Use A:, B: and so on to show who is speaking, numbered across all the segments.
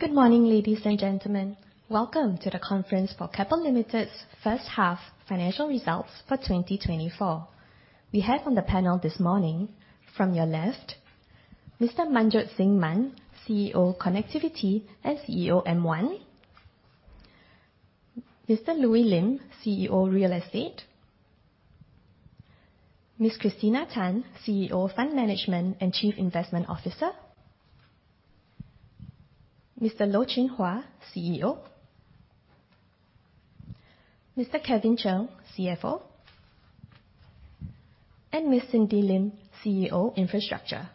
A: Good morning, ladies and gentlemen. Welcome to the Conference for Keppel Limited's first half financial results for 2024. We have on the panel this morning, from your left, Mr. Manjot Singh Mann, CEO Connectivity and CEO M1, Mr. Louis Lim, CEO Real Estate, Ms. Christina Tan, CEO Fund Management and Chief Investment Officer, Mr. Loh Chin Hua, CEO, Mr. Kevin Chng, CFO, and Ms. Cindy Lim, CEO Infrastructure.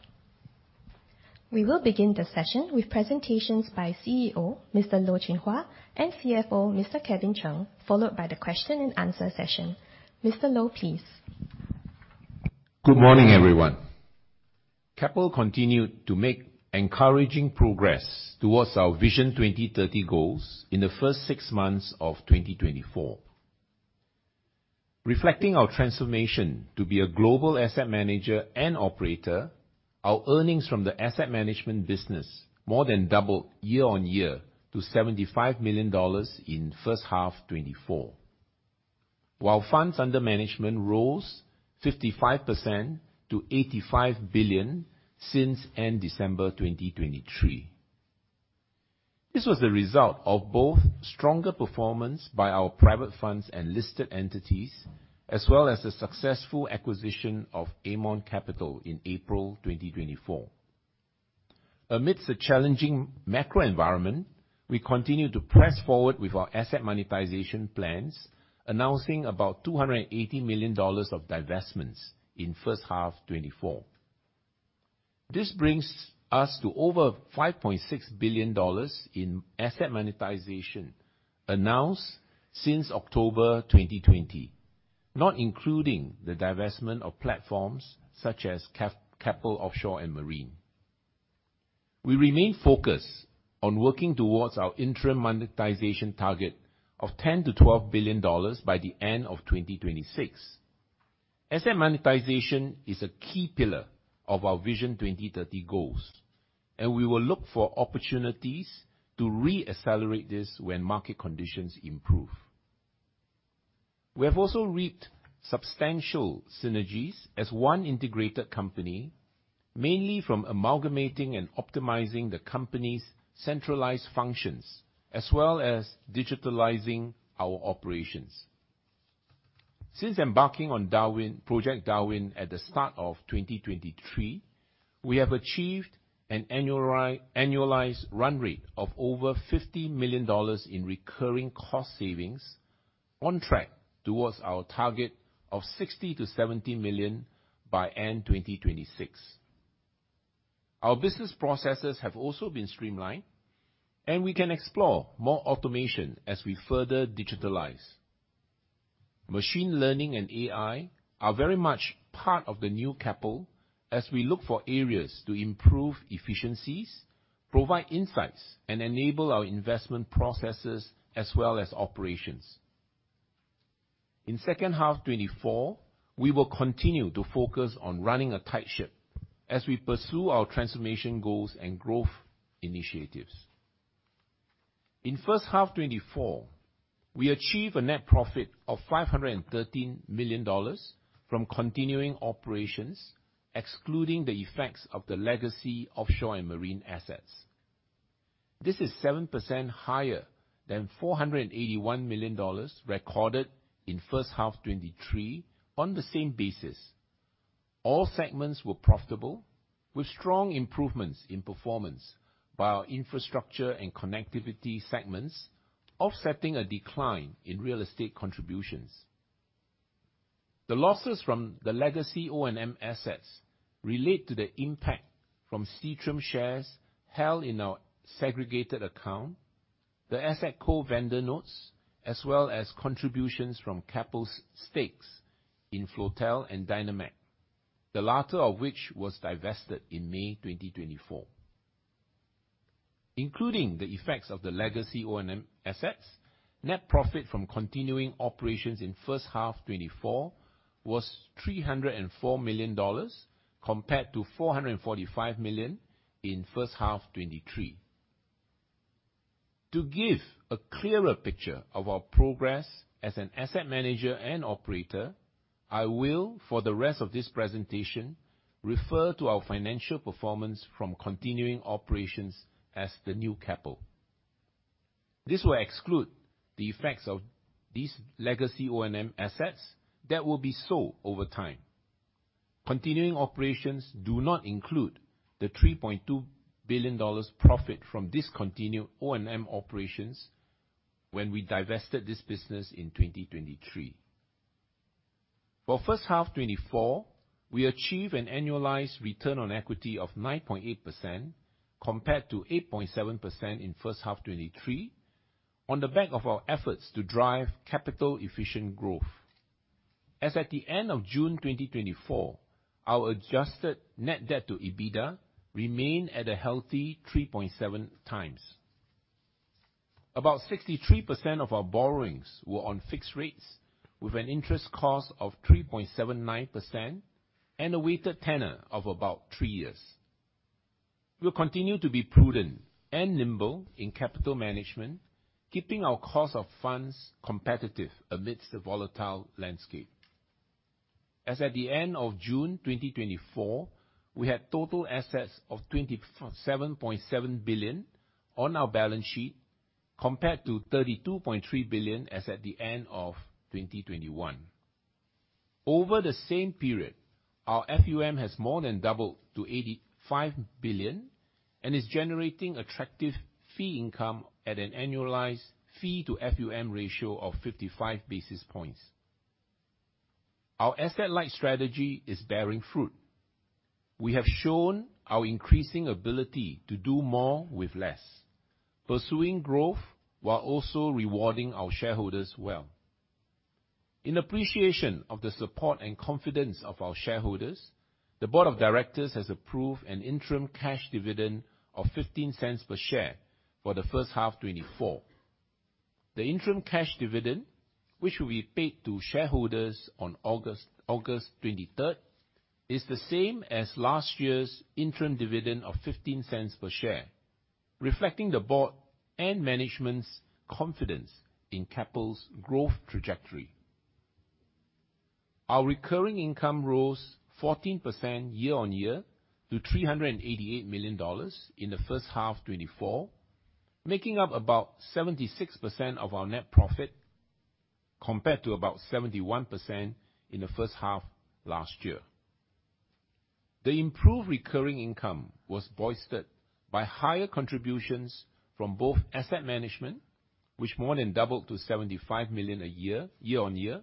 A: We will begin the session with presentations by CEO Mr. Loh Chin Hua and CFO Mr. Kevin Chng, followed by the question-and-answer session. Mr. Loh, please.
B: Good morning, everyone. Keppel continued to make encouraging progress towards our Vision 2030 goals in the first six months of 2024. Reflecting our transformation to be a global asset manager and operator, our earnings from the asset management business more than doubled year-on-year to $75 million in first half 2024, while funds under management rose 55% to 85 billion since end December 2023. This was the result of both stronger performance by our private funds and listed entities, as well as the successful acquisition of Aermont Capital in April 2024. Amidst the challenging macro environment, we continue to press forward with our asset monetization plans, announcing about $280 million of divestments in first half 2024. This brings us to over $5.6 billion in asset monetization announced since October 2020, not including the divestment of platforms such as Keppel Offshore & Marine. We remain focused on working towards our interim monetization target of $10 billion-$12 billion by the end of 2026. Asset monetization is a key pillar of our Vision 2030 goals, and we will look for opportunities to re-accelerate this when market conditions improve. We have also reaped substantial synergies as one integrated company, mainly from amalgamating and optimizing the company's centralized functions, as well as digitalizing our operations. Since embarking on Project Darwin at the start of 2023, we have achieved an annualized run rate of over $50 million in recurring cost savings, on track towards our target of 60 million-70 million by end 2026. Our business processes have also been streamlined, and we can explore more automation as we further digitalize. Machine learning and AI are very much part of the new Keppel, as we look for areas to improve efficiencies, provide insights, and enable our investment processes as well as operations. In second half 2024, we will continue to focus on running a tight ship as we pursue our transformation goals and growth initiatives. In first half 2024, we achieved a net profit of $513 million from continuing operations, excluding the effects of the legacy offshore and marine assets. This is 7% higher than $481 million recorded in first half 2023 on the same basis. All segments were profitable, with strong improvements in performance by our Infrastructure and Connectivity segments, offsetting a decline in Real Estate contributions. The losses from the legacy O&M assets relate to the impact from Seatrium shares held in our segregated account, the Asset Co vendor notes, as well as contributions from Keppel's stakes in Floatel and Dyna-Mac, the latter of which was divested in May 2024. Including the effects of the legacy O&M assets, net profit from continuing operations in first half 2024 was $304 million, compared to $445 million in first half 2023. To give a clearer picture of our progress as an asset manager and operator, I will, for the rest of this presentation, refer to our financial performance from continuing operations as the new Keppel. This will exclude the effects of these legacy O&M assets that will be sold over time. Continuing operations do not include the $3.2 billion profit from discontinued O&M operations when we divested this business in 2023. For first half 2024, we achieved an annualized return on equity of 9.8%, compared to 8.7% in first half 2023, on the back of our efforts to drive capital-efficient growth. As at the end of June 2024, our adjusted net debt to EBITDA remained at a healthy 3.7x. About 63% of our borrowings were on fixed rates, with an interest cost of 3.79% and a weighted tenor of about three years. We will continue to be prudent and nimble in capital management, keeping our cost of funds competitive amidst the volatile landscape. As at the end of June 2024, we had total assets of 27.7 billion on our balance sheet, compared to 32.3 billion as at the end of 2021. Over the same period, our FUM has more than doubled to 85 billion and is generating attractive fee income at an annualized fee-to-FUM ratio of 55 basis points. Our asset-light strategy is bearing fruit. We have shown our increasing ability to do more with less, pursuing growth while also rewarding our shareholders well. In appreciation of the support and confidence of our shareholders, the Board of Directors has approved an interim cash dividend of 0.15 per share for the first half 2024. The interim cash dividend, which will be paid to shareholders on August 23rd, is the same as last year's interim dividend of 0.15 per share, reflecting the board and management's confidence in Keppel's growth trajectory. Our recurring income rose 14% year-on-year to $388 million in the first half 2024, making up about 76% of our net profit, compared to about 71% in the first half last year. The improved recurring income was boosted by higher contributions from both asset management, which more than doubled to 75 million a year year-on-year,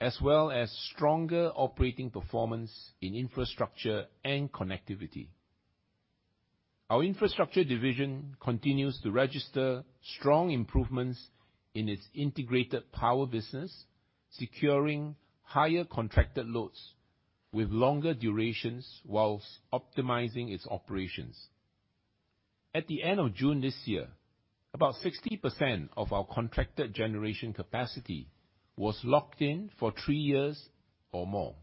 B: as well as stronger operating performance in Infrastructure and Connectivity. Our Infrastructure division continues to register strong improvements in its integrated power business, securing higher contracted loads with longer durations while optimizing its operations. At the end of June this year, about 60% of our contracted generation capacity was locked in for three years or more.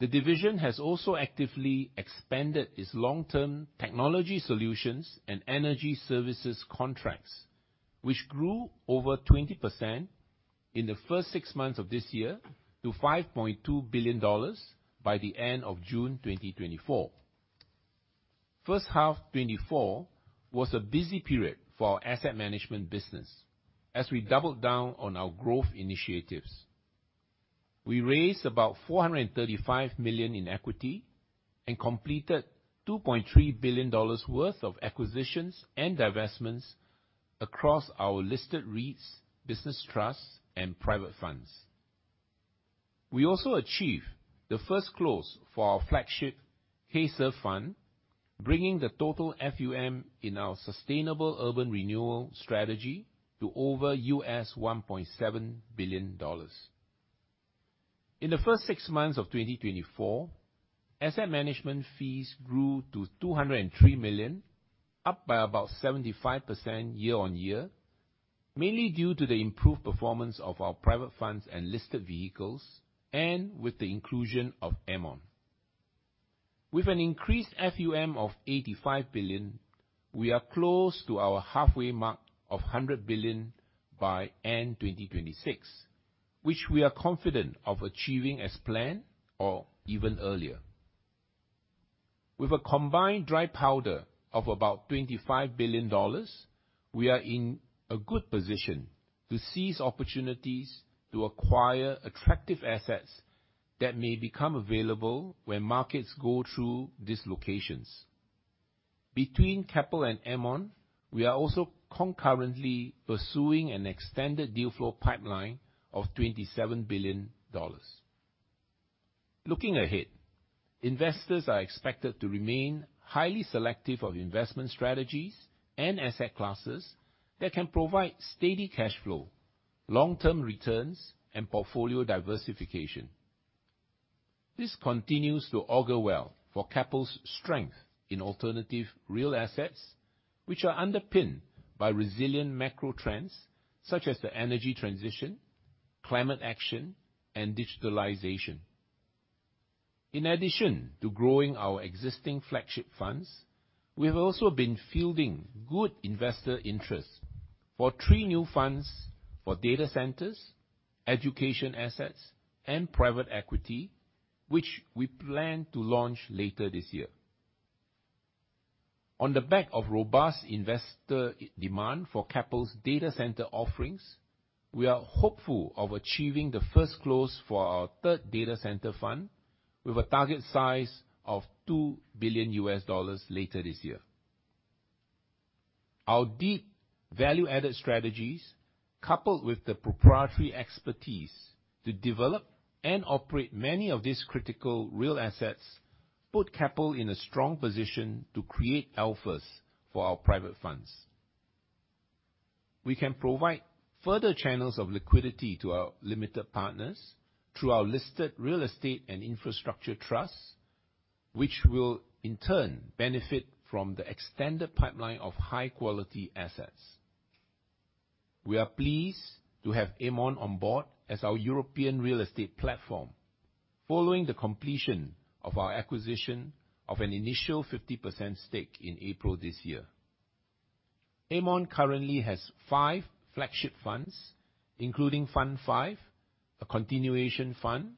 B: The division has also actively expanded its long-term technology solutions and energy services contracts, which grew over 20% in the first six months of this year to $5.2 billion by the end of June 2024. First half 2024 was a busy period for our Asset Management business, as we doubled down on our growth initiatives. We raised about 435 million in equity and completed $2.3 billion worth of acquisitions and divestments across our listed REITs, business trusts, and private funds. We also achieved the first close for our flagship KSURF Fund, bringing the total FUM in our sustainable urban renewal strategy to over $1.7 billion. In the first six months of 2024, asset management fees grew to 203 million, up by about 75% year-on-year, mainly due to the improved performance of our private funds and listed vehicles, and with the inclusion of Aermont. With an increased FUM of 85 billion, we are close to our halfway mark of 100 billion by end 2026, which we are confident of achieving as planned or even earlier. With a combined dry powder of about $25 billion, we are in a good position to seize opportunities to acquire attractive assets that may become available when markets go through dislocations. Between Keppel and Aermont, we are also concurrently pursuing an extended deal flow pipeline of $27 billion. Looking ahead, investors are expected to remain highly selective of investment strategies and asset classes that can provide steady cash flow, long-term returns, and portfolio diversification. This continues to augur well for Keppel's strength in alternative real assets, which are underpinned by resilient macro trends such as the energy transition, climate action, and digitalization. In addition to growing our existing flagship funds, we have also been fielding good investor interest for three new funds for data centers, education assets, and private equity, which we plan to launch later this year. On the back of robust investor demand for Keppel's data center offerings, we are hopeful of achieving the first close for our third data center fund, with a target size of $2 billion later this year. Our deep value-added strategies, coupled with the proprietary expertise to develop and operate many of these critical real assets, put Keppel in a strong position to create alphas for our private funds. We can provide further channels of liquidity to our limited partners through our listed Real Estate and infrastructure trusts, which will in turn benefit from the extended pipeline of high-quality assets. We are pleased to have Aermont on board as our European Real Estate platform, following the completion of our acquisition of an initial 50% stake in April this year. Aermont currently has five flagship funds, including Fund V, a continuation fund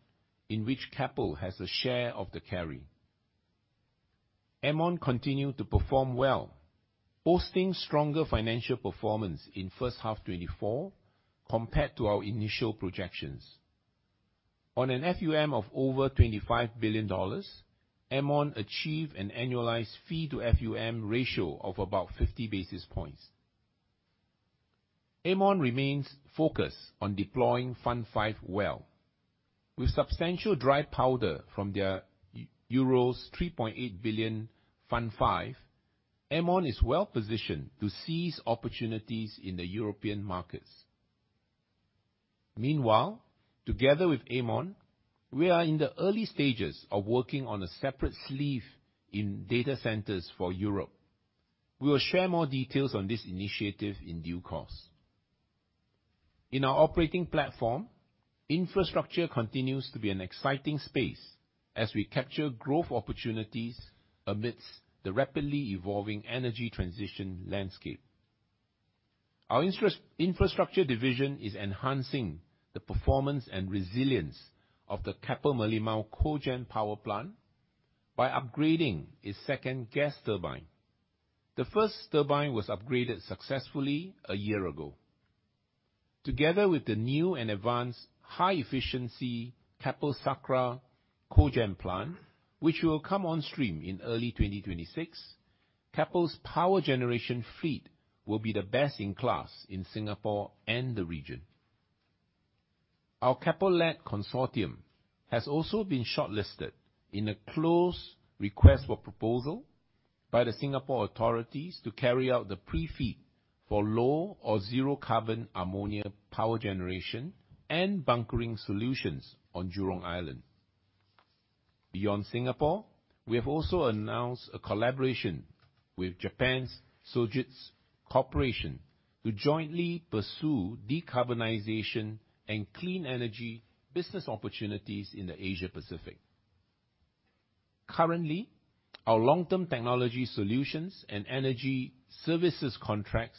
B: in which Keppel has a share of the carry. Aermont continued to perform well, boasting stronger financial performance in first half 2024, compared to our initial projections. On an FUM of over $25 billion, Aermont achieved an annualized fee-to-FUM ratio of about 50 basis points. Aermont remains focused on deploying Fund V well. With substantial dry powder from their euros 3.8 billion Fund V, Aermont is well positioned to seize opportunities in the European markets. Meanwhile, together with Aermont, we are in the early stages of working on a separate sleeve in data centers for Europe. We will share more details on this initiative in due course. In our operating platform, infrastructure continues to be an exciting space as we capture growth opportunities amidst the rapidly evolving energy transition landscape. Our Infrastructure division is enhancing the performance and resilience of the Keppel Merlimau Cogen Power Plant by upgrading its second gas turbine. The first turbine was upgraded successfully a year ago. Together with the new and advanced high-efficiency Keppel Sakra Cogen Plant, which will come on stream in early 2026, Keppel's power generation fleet will be the best in class in Singapore and the region. Our Keppel-led consortium has also been shortlisted in a closed request for proposal by the Singapore authorities to carry out the Pre-FEED for low or zero-carbon ammonia power generation and bunkering solutions on Jurong Island. Beyond Singapore, we have also announced a collaboration with Japan's Sojitz Corporation to jointly pursue decarbonization and clean energy business opportunities in the Asia-Pacific. Currently, our long-term technology solutions and energy services contracts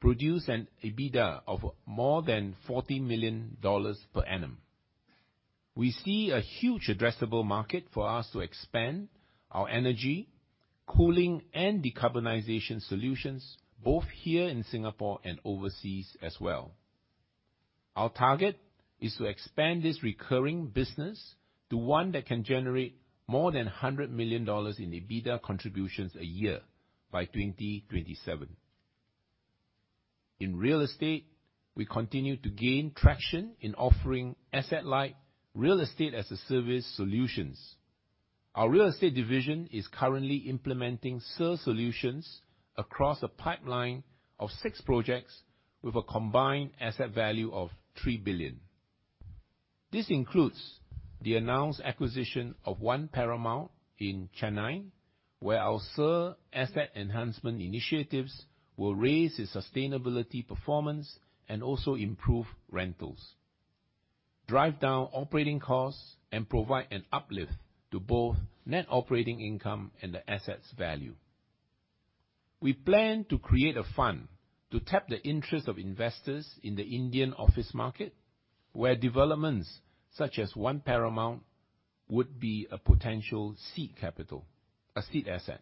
B: produce an EBITDA of more than $40 million per annum. We see a huge addressable market for us to expand our energy, cooling, and decarbonization solutions, both here in Singapore and overseas as well. Our target is to expand this recurring business to one that can generate more than $100 million in EBITDA contributions a year by 2027. In Real Estate, we continue to gain traction in offering asset-light Real Estate-as-a-Service solutions. Our Real Estate division is currently implementing SUR solutions across a pipeline of six projects with a combined asset value of 3 billion. This includes the announced acquisition of One Paramount in Chennai, where our SUR asset enhancement initiatives will raise its sustainability performance and also improve rentals, drive down operating costs, and provide an uplift to both net operating income and the asset's value. We plan to create a fund to tap the interest of investors in the Indian office market, where developments such as One Paramount would be a potential seed asset.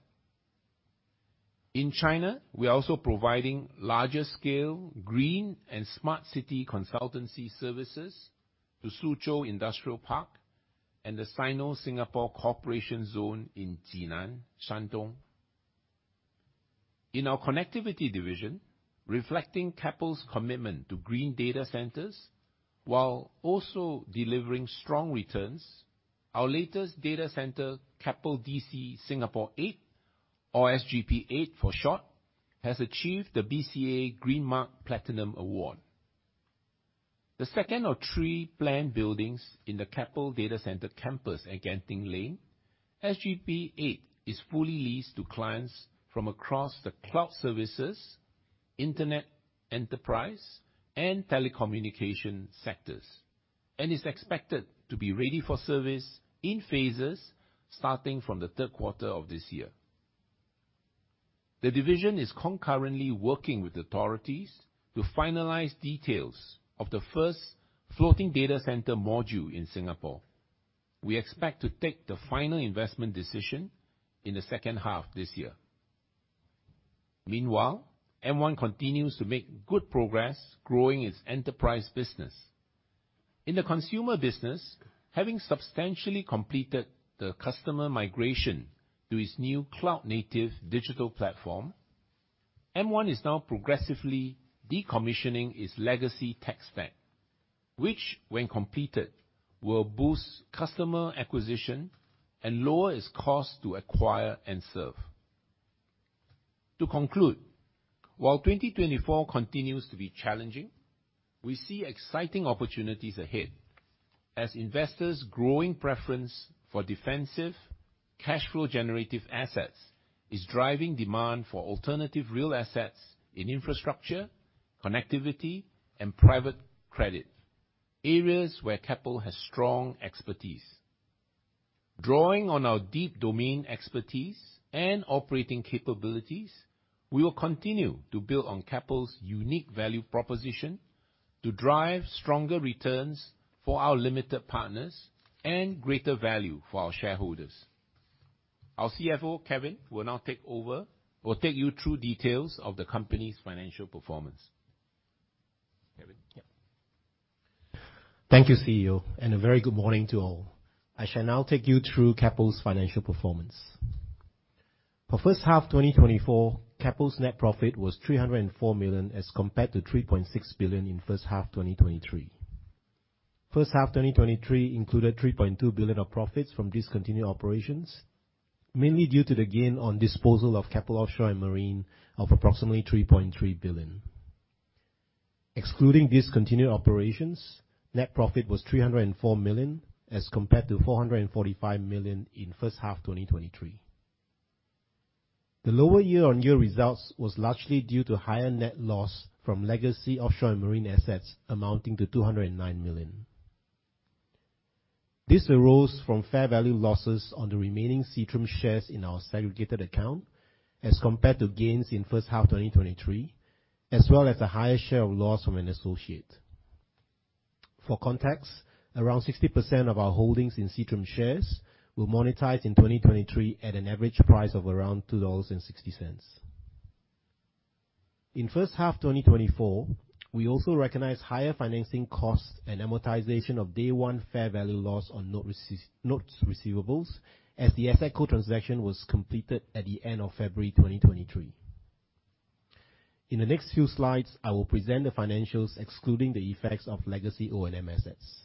B: In China, we are also providing larger-scale green and smart city consultancy services to Suzhou Industrial Park and the Sino-Singapore Cooperation Zone in Jinan, Shandong. In our Connectivity division, reflecting Keppel's commitment to green data centers while also delivering strong returns, our latest data center, Keppel DC Singapore 8, or SGP8 for short, has achieved the BCA Green Mark Platinum Award. The second of three planned buildings in the Keppel Data Centre Campus at Genting Lane, SGP8 is fully leased to clients from across the cloud services, internet enterprise, and telecommunication sectors, and is expected to be ready for service in phases starting from the third quarter of this year. The division is concurrently working with authorities to finalize details of the first floating data center module in Singapore. We expect to take the final investment decision in the second half this year. Meanwhile, M1 continues to make good progress growing its enterprise business. In the consumer business, having substantially completed the customer migration to its new cloud-native digital platform, M1 is now progressively decommissioning its legacy tech stack, which, when completed, will boost customer acquisition and lower its cost to acquire and serve. To conclude, while 2024 continues to be challenging, we see exciting opportunities ahead as investors' growing preference for defensive, cash flow-generative assets is driving demand for alternative real assets in infrastructure, connectivity, and private credit, areas where Keppel has strong expertise. Drawing on our deep domain expertise and operating capabilities, we will continue to build on Keppel's unique value proposition to drive stronger returns for our limited partners and greater value for our shareholders. Our CFO, Kevin, will now take over or take you through details of the company's financial performance. Kevin:
C: Thank you, CEO, and a very good morning to all. I shall now take you through Keppel's financial performance. For first half 2024, Keppel's net profit was 304 million as compared to 3.6 billion in first half 2023. First half 2023 included 3.2 billion of profits from discontinued operations, mainly due to the gain on disposal of Keppel Offshore and Marine of approximately 3.3 billion. Excluding discontinued operations, net profit was 304 million as compared to 445 million in first half 2023. The lower year-on-year results were largely due to higher net loss from legacy offshore and marine assets amounting to 209 million. This arose from fair value losses on the remaining Seatrium shares in our segregated account as compared to gains in first half 2023, as well as a higher share of loss from an associate. For context, around 60% of our holdings in Seatrium shares were monetized in 2023 at an average price of around 2.60 dollars. In first half 2024, we also recognized higher financing costs and amortization of day-one fair value loss on notes receivables as the Asset Co transaction was completed at the end of February 2023. In the next few slides, I will present the financials excluding the effects of legacy O&M assets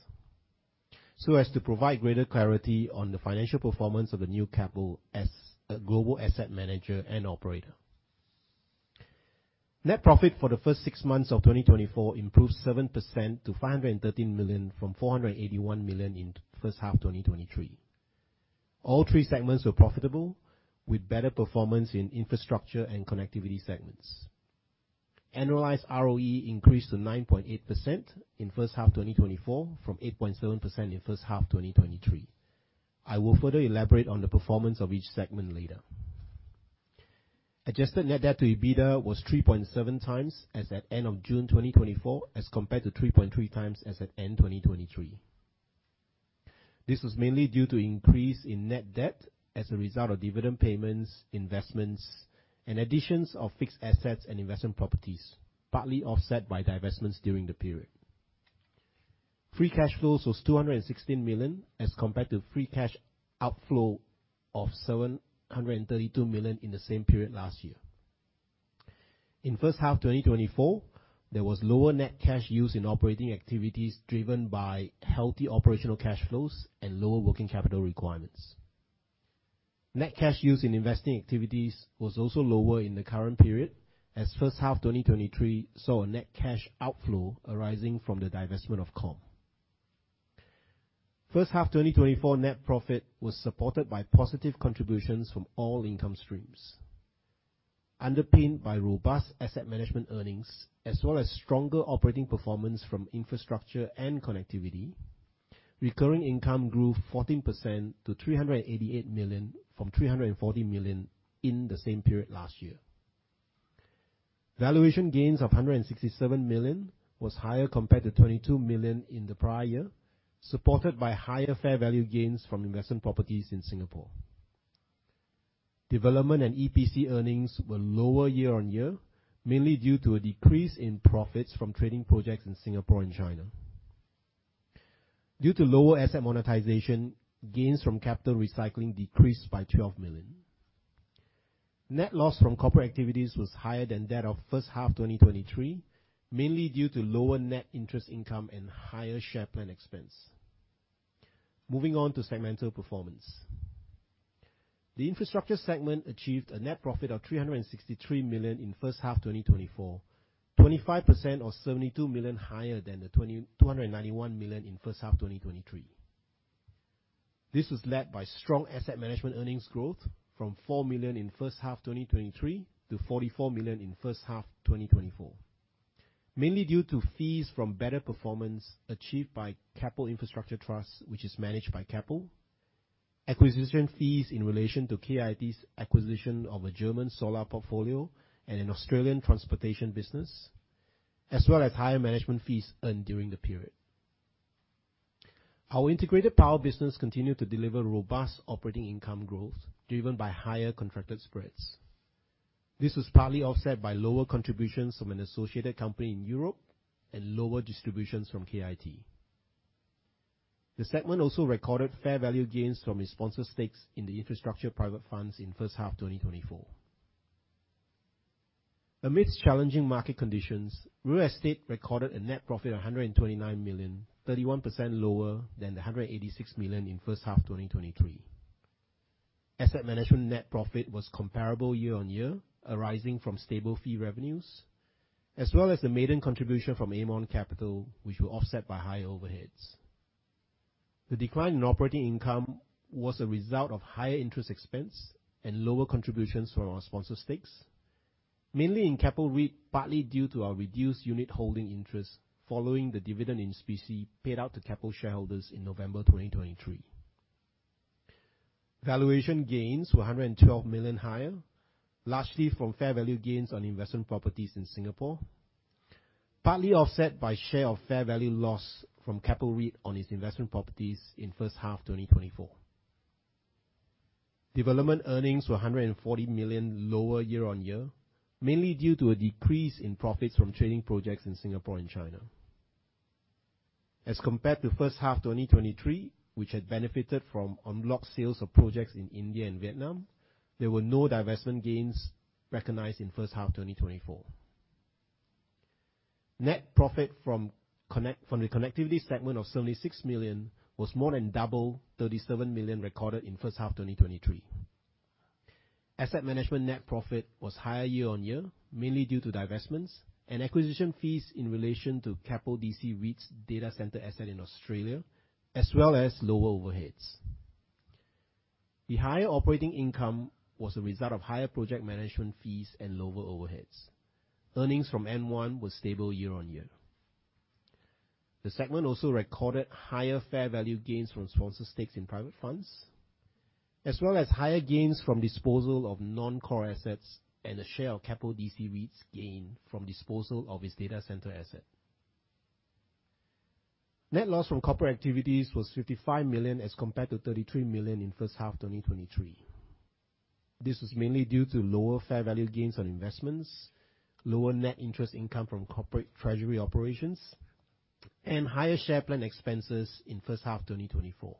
C: so as to provide greater clarity on the financial performance of the new Keppel as a global asset manager and operator. Net profit for the first six months of 2024 improved 7% to 513 million from 481 million in first half 2023. All three segments were profitable, with better performance in Infrastructure and Connectivity segments. Annualized ROE increased to 9.8% in first half 2024 from 8.7% in first half 2023. I will further elaborate on the performance of each segment later. Adjusted net debt to EBITDA was 3.7x as at end of June 2024 as compared to 3.3x as at end 2023. This was mainly due to an increase in net debt as a result of dividend payments, investments, and additions of fixed assets and investment properties, partly offset by divestments during the period. Free cash flow was 216 million as compared to free cash outflow of 732 million in the same period last year. In first half 2024, there was lower net cash use in operating activities driven by healthy operational cash flows and lower working capital requirements. Net cash use in investing activities was also lower in the current period as first half 2023 saw a net cash outflow arising from the divestment of KOM. First half 2024 net profit was supported by positive contributions from all income streams. Underpinned by robust asset management earnings as well as stronger operating performance from Infrastructure and Connectivity, recurring income grew 14% to 388 million from 340 million in the same period last year. Valuation gains of 167 million was higher compared to 22 million in the prior year, supported by higher fair value gains from investment properties in Singapore. Development and EPC earnings were lower year-on-year, mainly due to a decrease in profits from trading projects in Singapore and China. Due to lower asset monetization, gains from capital recycling decreased by 12 million. Net loss from corporate activities was higher than that of first half 2023, mainly due to lower net interest income and higher share plan expense. Moving on to segmental performance, the infrastructure segment achieved a net profit of SGD 363 million in first half 2024, 25% or SGD 72 million higher than the SGD 291 million in first half 2023. This was led by strong asset management earnings growth from 4 million in first half 2023 to 44 million in first half 2024, mainly due to fees from better performance achieved by Keppel Infrastructure Trust, which is managed by Keppel, acquisition fees in relation to KIT's acquisition of a German solar portfolio and an Australian transportation business, as well as higher management fees earned during the period. Our integrated power business continued to deliver robust operating income growth driven by higher contracted spreads. This was partly offset by lower contributions from an associated company in Europe and lower distributions from KIT. The segment also recorded fair value gains from its sponsor stakes in the infrastructure private funds in first half 2024. Amidst challenging market conditions, Real Estate recorded a net profit of 129 million, 31% lower than the 186 million in first half 2023. Asset management net profit was comparable year-on-year, arising from stable fee revenues, as well as the maiden contribution from Aermont Capital, which was offset by higher overheads. The decline in operating income was a result of higher interest expense and lower contributions from our sponsor stakes, mainly in Keppel REIT, partly due to our reduced unit holding interest following the dividend in specie paid out to Keppel shareholders in November 2023. Valuation gains were 112 million higher, largely from fair value gains on investment properties in Singapore, partly offset by share of fair value loss from Keppel REIT on its investment properties in first half 2024. Development earnings were 140 million lower year-on-year, mainly due to a decrease in profits from trading projects in Singapore and China. As compared to first half 2023, which had benefited from en bloc sales of projects in India and Vietnam, there were no divestment gains recognized in first half 2024. Net profit from the connectivity segment of 76 million was more than double 37 million recorded in first half 2023. Asset management net profit was higher year-on-year, mainly due to divestments and acquisition fees in relation to Keppel DC REIT's data center asset in Australia, as well as lower overheads. The higher operating income was a result of higher project management fees and lower overheads. Earnings from M1 were stable year-on-year. The segment also recorded higher fair value gains from sponsor stakes in private funds, as well as higher gains from disposal of non-core assets and a share of Keppel DC REIT's gain from disposal of its data center asset. Net loss from corporate activities was 55 million as compared to 33 million in first half 2023. This was mainly due to lower fair value gains on investments, lower net interest income from corporate treasury operations, and higher share plan expenses in first half 2024.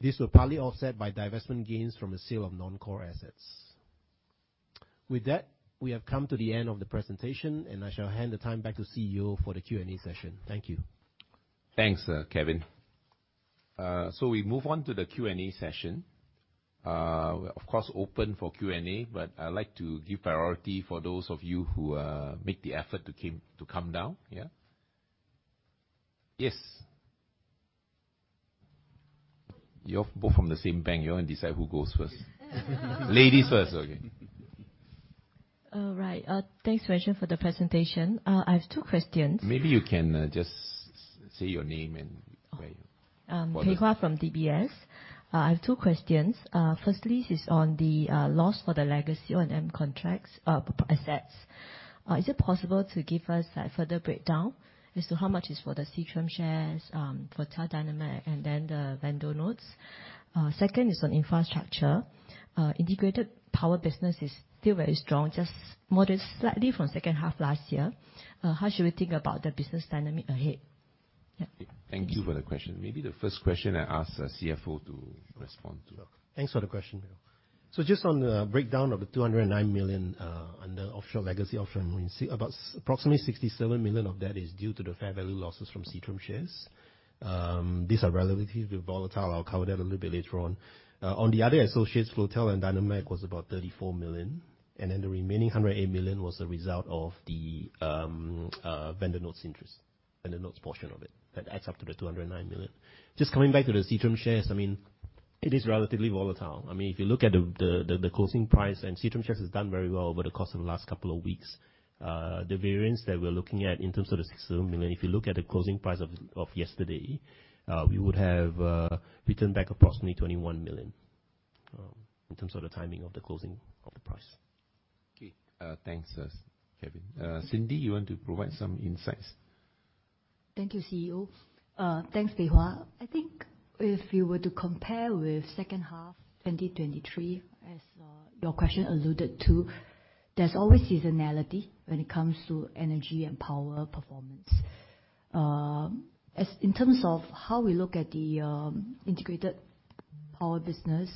C: This was partly offset by divestment gains from the sale of non-core assets. With that, we have come to the end of the presentation, and I shall hand the time back to CEO for the Q&A session. Thank you.
B: Thanks, Kevin. So we move on to the Q&A session. We're, of course, open for Q&A, but I'd like to give priority for those of you who make the effort to come down. Yeah? Yes. You're both from the same bank. You don't decide who goes first. Ladies first. Okay.
D: All right. Thanks very much for the presentation. I have two questions.
B: Maybe you can just say your name and where you're from.
D: Thank you. Pei Hwa Ho from DBS. I have two questions. Firstly, this is on the loss for the legacy O&M assets. Is it possible to give us a further breakdown as to how much is for the Seatrium shares, for Dyna-Mac, and then the vendor notes? Second is on infrastructure. Integrated power business is still very strong, just modest slightly from second half last year. How should we think about the business dynamic ahead? Yeah.
B: Thank you for the question. Maybe the first question I ask CFO to respond to.
C: Thanks for the question. So just on the breakdown of the 209 million under offshore legacy offshore and marine, about approximately 67 million of that is due to the fair value losses from Seatrium shares. These are relatively volatile. I'll cover that a little bit later on. On the other associates, Floatel and Dyna-Mac was about 34 million. Then the remaining 108 million was a result of the vendor notes interest, vendor notes portion of it that adds up to the 209 million. Just coming back to the Seatrium shares, I mean, it is relatively volatile. I mean, if you look at the closing price and Seatrium shares has done very well over the course of the last couple of weeks. The variance that we're looking at in terms of the 67 million, if you look at the closing price of yesterday, we would have returned back approximately 21 million in terms of the timing of the closing of the price.
B: Okay. Thanks, Kevin. Cindy, you want to provide some insights?
E: Thank you, CEO. Thanks, Chin Hua. I think if you were to compare with second half 2023, as your question alluded to, there's always seasonality when it comes to energy and power performance. In terms of how we look at the integrated power business,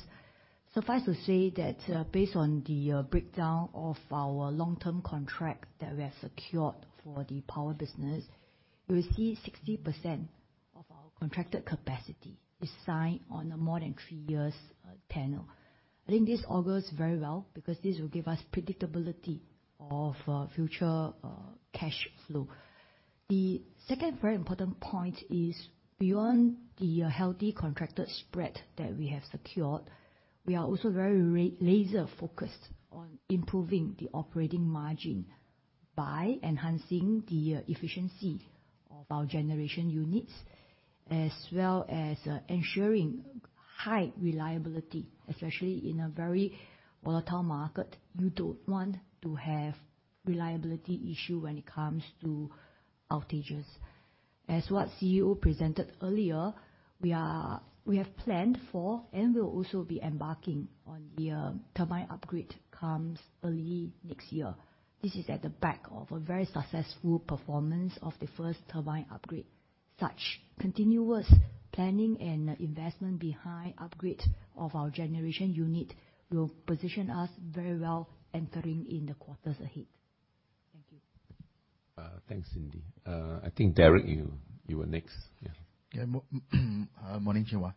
E: suffice to say that based on the breakdown of our long-term contract that we have secured for the power business, we will see 60% of our contracted capacity is signed on a more than three-year tenor. I think this augurs very well because this will give us predictability of future cash flow. The second very important point is beyond the healthy contracted spread that we have secured, we are also very laser-focused on improving the operating margin by enhancing the efficiency of our generation units, as well as ensuring high reliability, especially in a very volatile market. You don't want to have reliability issues when it comes to outages. As what CEO presented earlier, we have planned for and will also be embarking on the turbine upgrade that comes early next year. This is at the back of a very successful performance of the first turbine upgrade. Such continuous planning and investment behind upgrade of our generation unit will position us very well entering in the quarters ahead. Thank you.
B: Thanks, Cindy. I think, Derek, you were next. Yeah.
F: Morning, Chin Hua.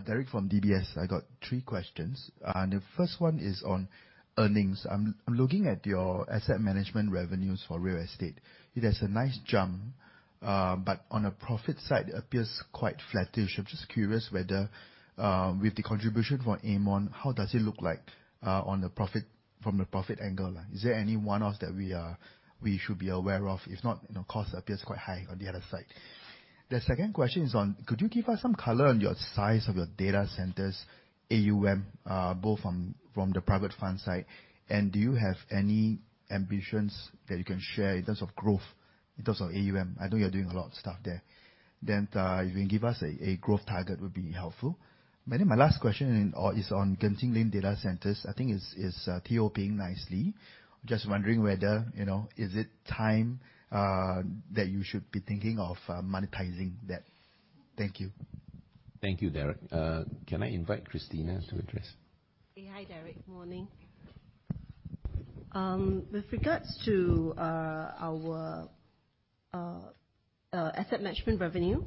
F: Derek from DBS. I got three questions. The first one is on earnings. I'm looking at your asset management revenues for Real Estate. It has a nice jump, but on the profit side, it appears quite flattish. I'm just curious whether, with the contribution for Aermont, how does it look like from the profit angle? Is there any one-offs that we should be aware of? If not, of course, it appears quite high on the other side. The second question is on, could you give us some color on the size of your data centers, AUM, both from the private fund side, and do you have any ambitions that you can share in terms of growth in terms of AUM? I know you're doing a lot of stuff there. Then if you can give us a growth target would be helpful. My last question is on Genting Lane data centers. I think it's filling nicely. Just wondering whether is it time that you should be thinking of monetizing that? Thank you.
B: Thank you, Derek. Can I invite Christina to address?
G: Hi, Derek. Morning. With regards to our asset management revenue,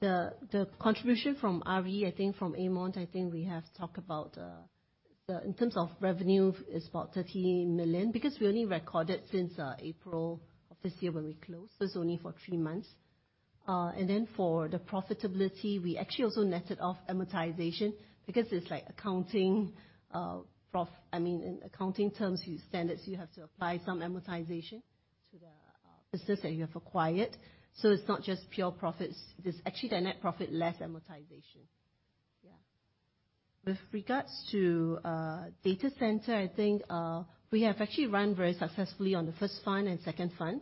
G: the contribution from RE, I think from Aermont, I think we have talked about in terms of revenue is about 30 million because we only recorded since April of this year when we closed. It was only for three months. Then for the profitability, we actually also netted off amortization because it's like accounting, I mean, in accounting terms, you have to apply some amortization to the business that you have acquired. So it's not just pure profits. It's actually the net profit less amortization. Yeah. With regards to data center, I think we have actually run very successfully on the first fund and second fund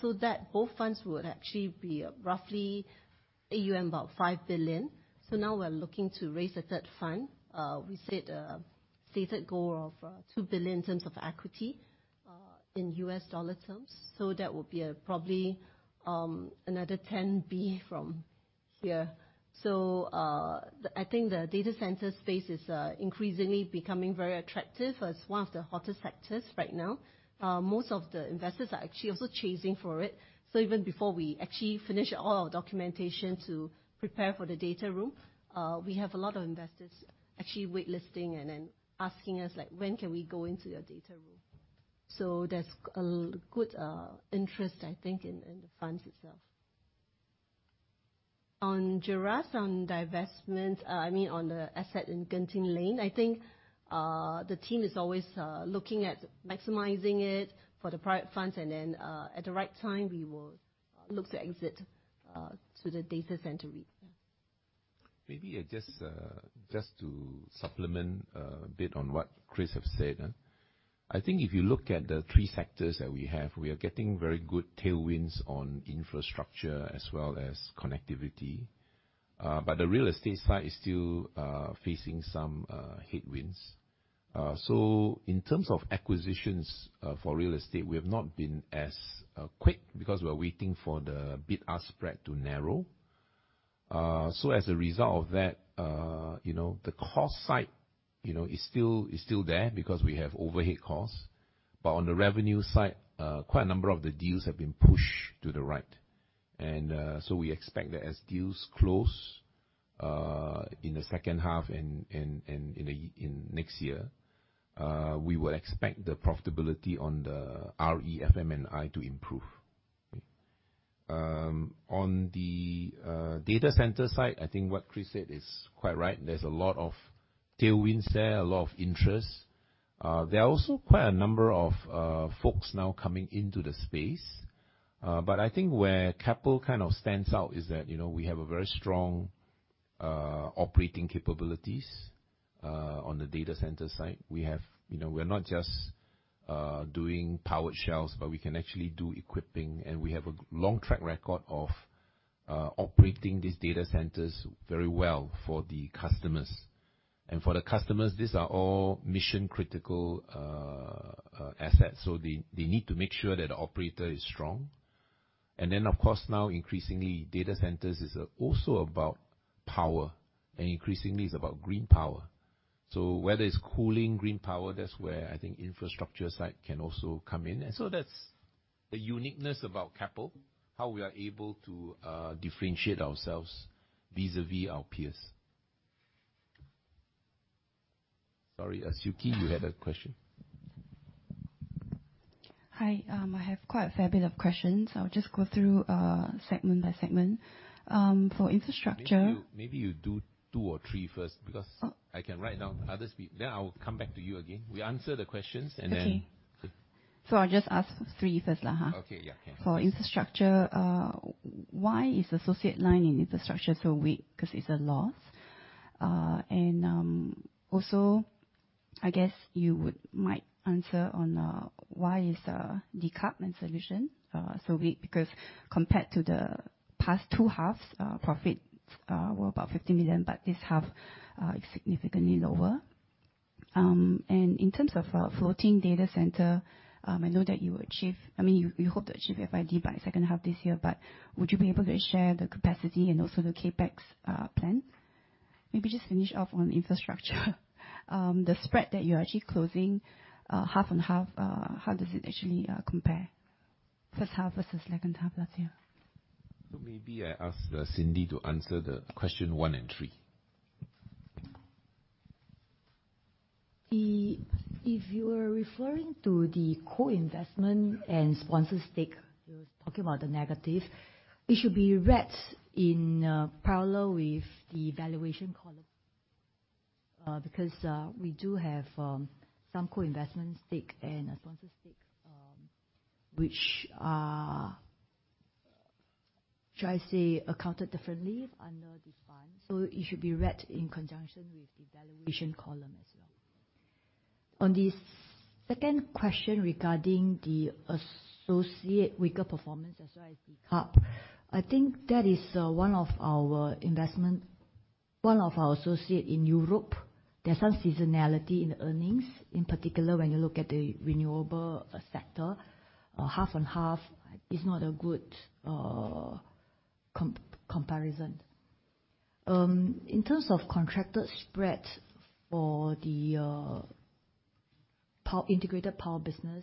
G: so that both funds would actually be roughly AUM about 5 billion. So now we're looking to raise a third fund. We set a stated goal of 2 billion in terms of equity in US dollar terms. So that would be probably another 10 billion from here. So I think the data center space is increasingly becoming very attractive as one of the hottest sectors right now. Most of the investors are actually also chasing for it. So even before we actually finish all our documentation to prepare for the data room, we have a lot of investors actually waitlisting and then asking us, like, "When can we go into your data room?" So there's a good interest, I think, in the funds itself. On the REIT, on divestment, I mean, on the asset in Genting Lane, I think the team is always looking at maximizing it for the private funds, and then at the right time, we will look to exit to the data center REIT.
B: Maybe just to supplement a bit on what Chris has said, I think if you look at the three sectors that we have, we are getting very good tailwinds on infrastructure as well as connectivity. But the Real Estate side is still facing some headwinds. So in terms of acquisitions for Real Estate, we have not been as quick because we are waiting for the bid-ask spread to narrow. So as a result of that, the cost side is still there because we have overhead costs. But on the revenue side, quite a number of the deals have been pushed to the right. And so we expect that as deals close in the second half and in next year, we would expect the profitability on the RE, FM, and I to improve. On the data center side, I think what Chris said is quite right. There's a lot of tailwinds there, a lot of interest. There are also quite a number of folks now coming into the space. But I think where Keppel kind of stands out is that we have very strong operating capabilities on the data center side. We are not just doing powered shells, but we can actually do equipping, and we have a long track record of operating these data centers very well for the customers. And for the customers, these are all mission-critical assets. So they need to make sure that the operator is strong. And then, of course, now increasingly, data centers is also about power, and increasingly, it's about green power. So whether it's cooling, green power, that's where I think infrastructure side can also come in. And so that's the uniqueness about Keppel, how we are able to differentiate ourselves vis-à-vis our peers. Sorry, Siew Khee, you had a question.
H: Hi. I have quite a fair bit of questions. I'll just go through segment by segment. For infrastructure.
B: Maybe you do two or three first because I can write down others' speech. Then I'll come back to you again. We answer the questions, and then. Okay.
H: So I'll just ask three first.
B: Okay. Yeah.
H: For infrastructure, why is associate line in infrastructure so weak? Because it's a loss. And also, I guess you might answer on why is the Decarb and solution so weak? Because compared to the past two halves, profits were about 50 million, but this half is significantly lower. And in terms of floating data center, I know that you hope to achieve FID by second half this year, but would you be able to share the capacity and also the CapEx plan? Maybe just finish off on infrastructure. The spread that you're actually closing, half and half, how does it actually compare? First half versus second half last year.
B: So maybe I ask Cindy to answer the question one and three.
E: If you are referring to the co-investment and sponsor stake, you're talking about the negative, it should be read in parallel with the valuation column because we do have some co-investment stake and sponsor stake, which are, shall I say, accounted differently under the fund. So it should be read in conjunction with the valuation column as well. On the second question regarding the associate weaker performance as well as the CAP, I think that is one of our investment, one of our associate in Europe. There's some seasonality in the earnings, in particular when you look at the renewable sector. Half and half is not a good comparison. In terms of contracted spread for the integrated power business,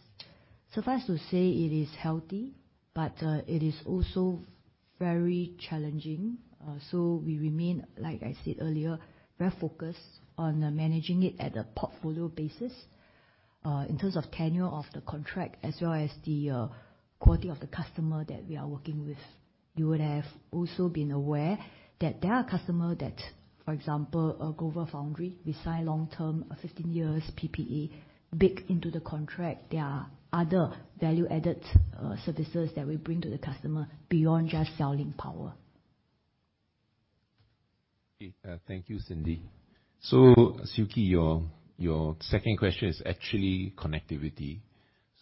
E: suffice to say it is healthy, but it is also very challenging. So we remain, like I said earlier, very focused on managing it at a portfolio basis in terms of tenure of the contract as well as the quality of the customer that we are working with. You would have also been aware that there are customers that, for example, GlobalFoundries, we sign long-term, 15-year PPA, big into the contract. There are other value-added services that we bring to the customer beyond just selling power.
B: Thank you, Cindy. So, Siew Khee, your second question is actually connectivity.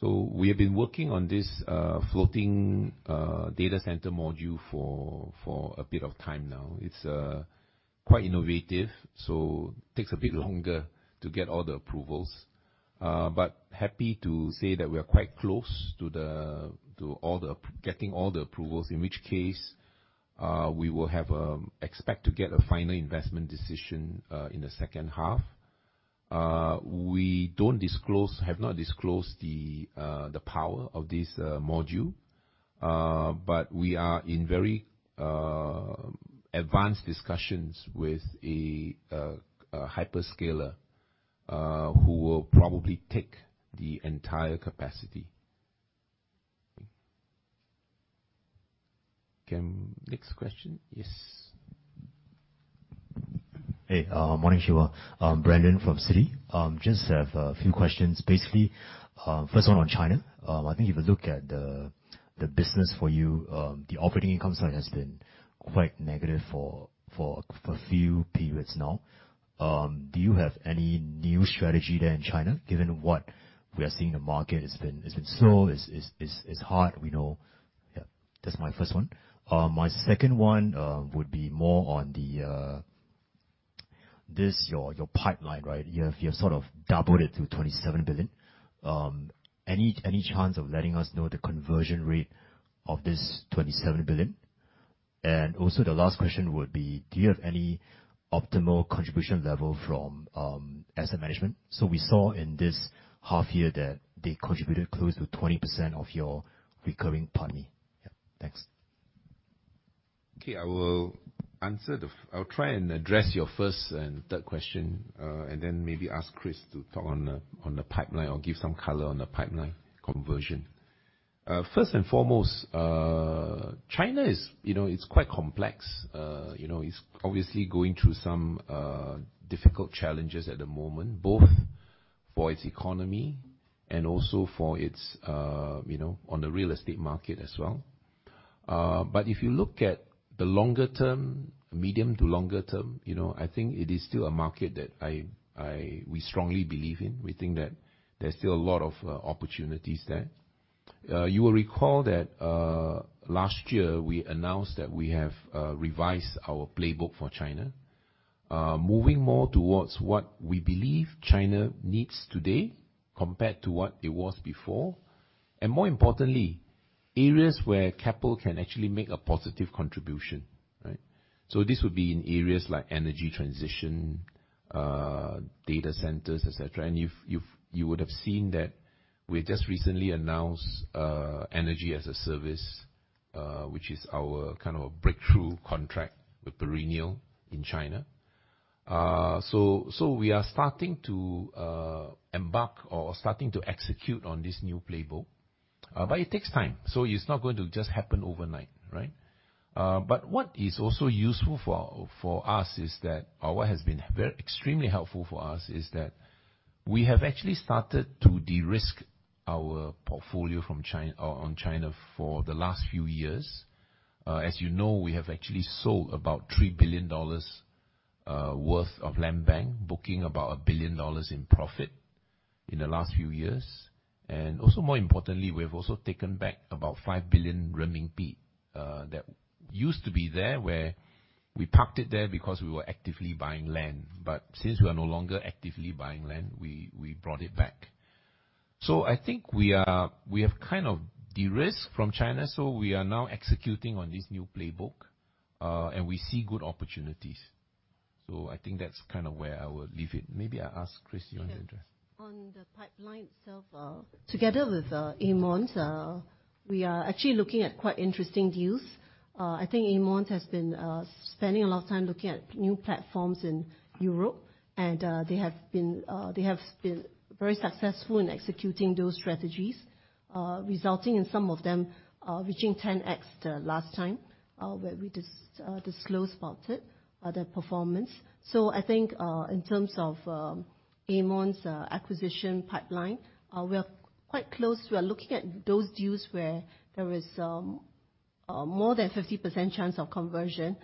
B: So we have been working on this floating data center module for a bit of time now. It's quite innovative, so it takes a bit longer to get all the approvals. But happy to say that we are quite close to getting all the approvals, in which case we will expect to get a final investment decision in the second half. We have not disclosed the power of this module, but we are in very advanced discussions with a hyperscaler who will probably take the entire capacity. Next question. Yes.
I: Hey. Morning, Chin Hua. Brandon from Citi. Just have a few questions. Basically, first one on China. I think if you look at the business for you, the operating income side has been quite negative for a few periods now. Do you have any new strategy there in China given what we are seeing in the market? It's been slow, it's hard, we know. Yeah. That's my first one. My second one would be more on your pipeline, right? You have sort of doubled it to 27 billion. Any chance of letting us know the conversion rate of this 27 billion? And also the last question would be, do you have any optimal contribution level from asset management? So we saw in this half year that they contributed close to 20% of your recurring income. Yeah. Thanks.
B: Okay. I will try and address your first and third question, and then maybe ask Chris to talk on the pipeline or give some color on the pipeline conversion. First and foremost, China is quite complex. It's obviously going through some difficult challenges at the moment, both for its economy and also for its on the Real Estate market as well. But if you look at the longer term, medium to longer term, I think it is still a market that we strongly believe in. We think that there's still a lot of opportunities there. You will recall that last year we announced that we have revised our playbook for China, moving more towards what we believe China needs today compared to what it was before, and more importantly, areas where Keppel can actually make a positive contribution, right? So this would be in areas like energy transition, data centers, etc. And you would have seen that we just recently announced Energy as a Service, which is our kind of breakthrough contract with Perennial in China. So we are starting to embark or starting to execute on this new playbook. But it takes time. So it's not going to just happen overnight, right? But what is also useful for us is that what has been extremely helpful for us is that we have actually started to de-risk our portfolio on China for the last few years. As you know, we have actually sold about $3 billion worth of landbank, booking about $1 billion in profit in the last few years. Also more importantly, we have also taken back about 5 billion renminbi that used to be there where we parked it there because we were actively buying land. But since we are no longer actively buying land, we brought it back. So I think we have kind of de-risked from China. So we are now executing on this new playbook, and we see good opportunities. So I think that's kind of where I will leave it. Maybe I ask Chris, you want to address?
G: On the pipeline itself, together with Aermont's, we are actually looking at quite interesting deals. I think Aermont has been spending a lot of time looking at new platforms in Europe, and they have been very successful in executing those strategies, resulting in some of them reaching 10x the last time where we disclosed about it, their performance. So I think in terms of Aermont's acquisition pipeline, we are quite close. We are looking at those deals where there is more than 50% chance of conversion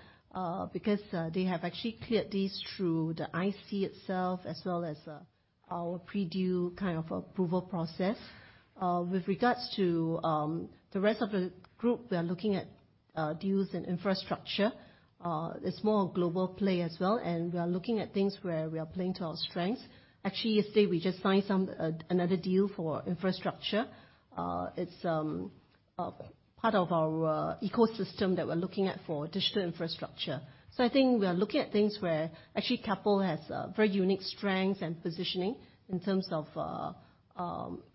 G: because they have actually cleared these through the IC itself as well as our pre-deal kind of approval process. With regards to the rest of the group, we are looking at deals in infrastructure. It's more a global play as well, and we are looking at things where we are playing to our strengths. Actually, yesterday, we just signed another deal for infrastructure. It's part of our ecosystem that we're looking at for digital infrastructure. So I think we are looking at things where actually Keppel has very unique strengths and positioning in terms of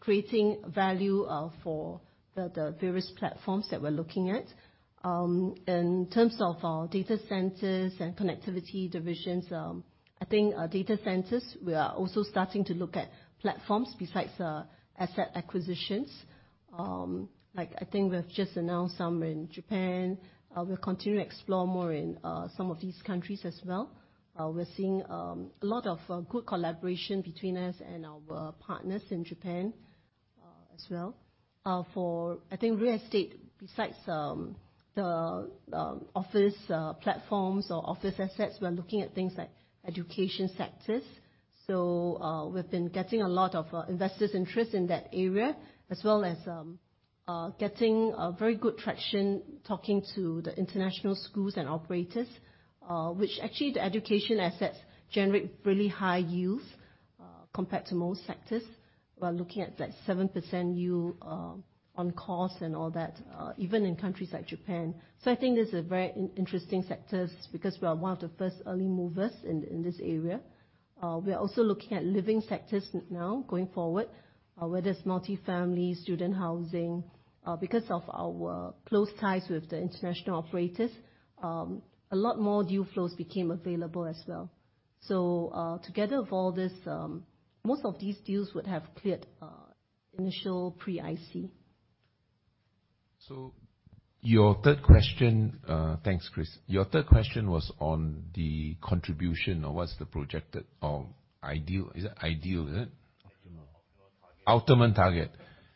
G: creating value for the various platforms that we're looking at. In terms of our data centers and connectivity divisions, I think data centers, we are also starting to look at platforms besides asset acquisitions. I think we have just announced some in Japan. We'll continue to explore more in some of these countries as well. We're seeing a lot of good collaboration between us and our partners in Japan as well. For, I think, Real Estate, besides the office platforms or office assets, we're looking at things like education sectors. So we've been getting a lot of investors' interest in that area, as well as getting very good traction talking to the international schools and operators, which actually the education assets generate really high yields compared to most sectors. We're looking at like 7% yield on cost and all that, even in countries like Japan. So I think this is a very interesting sector because we are one of the first early movers in this area. We are also looking at living sectors now going forward, whether it's multifamily, student housing. Because of our close ties with the international operators, a lot more deal flows became available as well. So together of all this, most of these deals would have cleared initial pre-IC.
B: So your third question, thanks, Chris. Your third question was on the contribution or what's the projected ideal? Is it ideal, is it? Optimal target.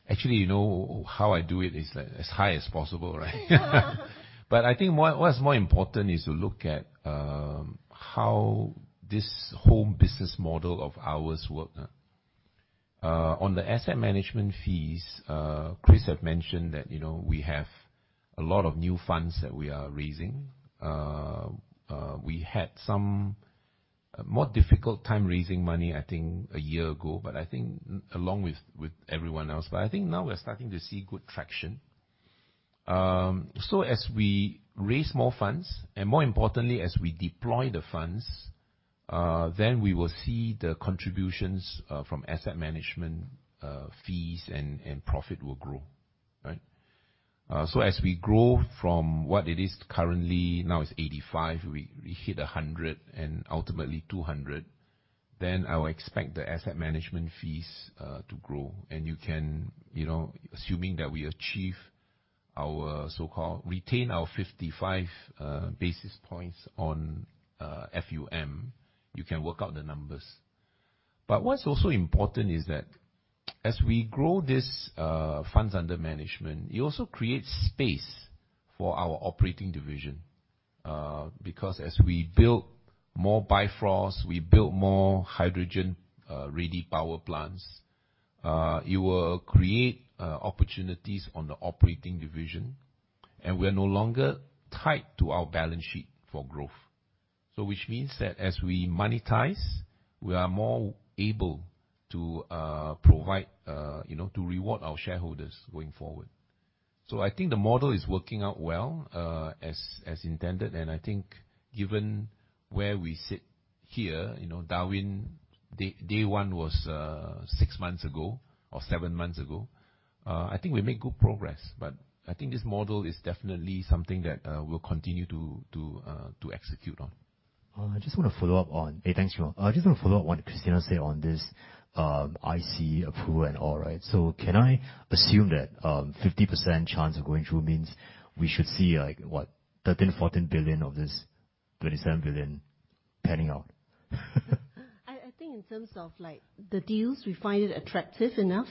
B: Actually, you know how I do it is as high as possible, right? But I think what's more important is to look at how this whole business model of ours works. On the asset management fees, Chris had mentioned that we have a lot of new funds that we are raising. We had some more difficult time raising money, I think, a year ago, but I think along with everyone else. I think now we're starting to see good traction. So as we raise more funds, and more importantly, as we deploy the funds, then we will see the contributions from asset management fees and profit will grow, right? So as we grow from what it is currently (now it's 85, we hit 100 and ultimately 200), then I will expect the asset management fees to grow. And assuming that we achieve our so-called retain our 55 basis points on FUM, you can work out the numbers. But what's also important is that as we grow this funds under management, it also creates space for our operating division. Because as we build more Bifrost, we build more hydrogen-ready power plants, it will create opportunities on the operating division, and we are no longer tied to our balance sheet for growth. So which means that as we monetize, we are more able to provide to reward our shareholders going forward. So I think the model is working out well as intended, and I think given where we sit here, Darwin, day one was six months ago or seven months ago. I think we make good progress, but I think this model is definitely something that we'll continue to execute on.
I: I just want to follow up on - hey, thanks. I just want to follow up on what Christina said on this IC approval and all, right? So can I assume that 50% chance of going through means we should see what, 13 billion-14 billion of this 27 billion panning out?
G: I think in terms of the deals, we find it attractive enough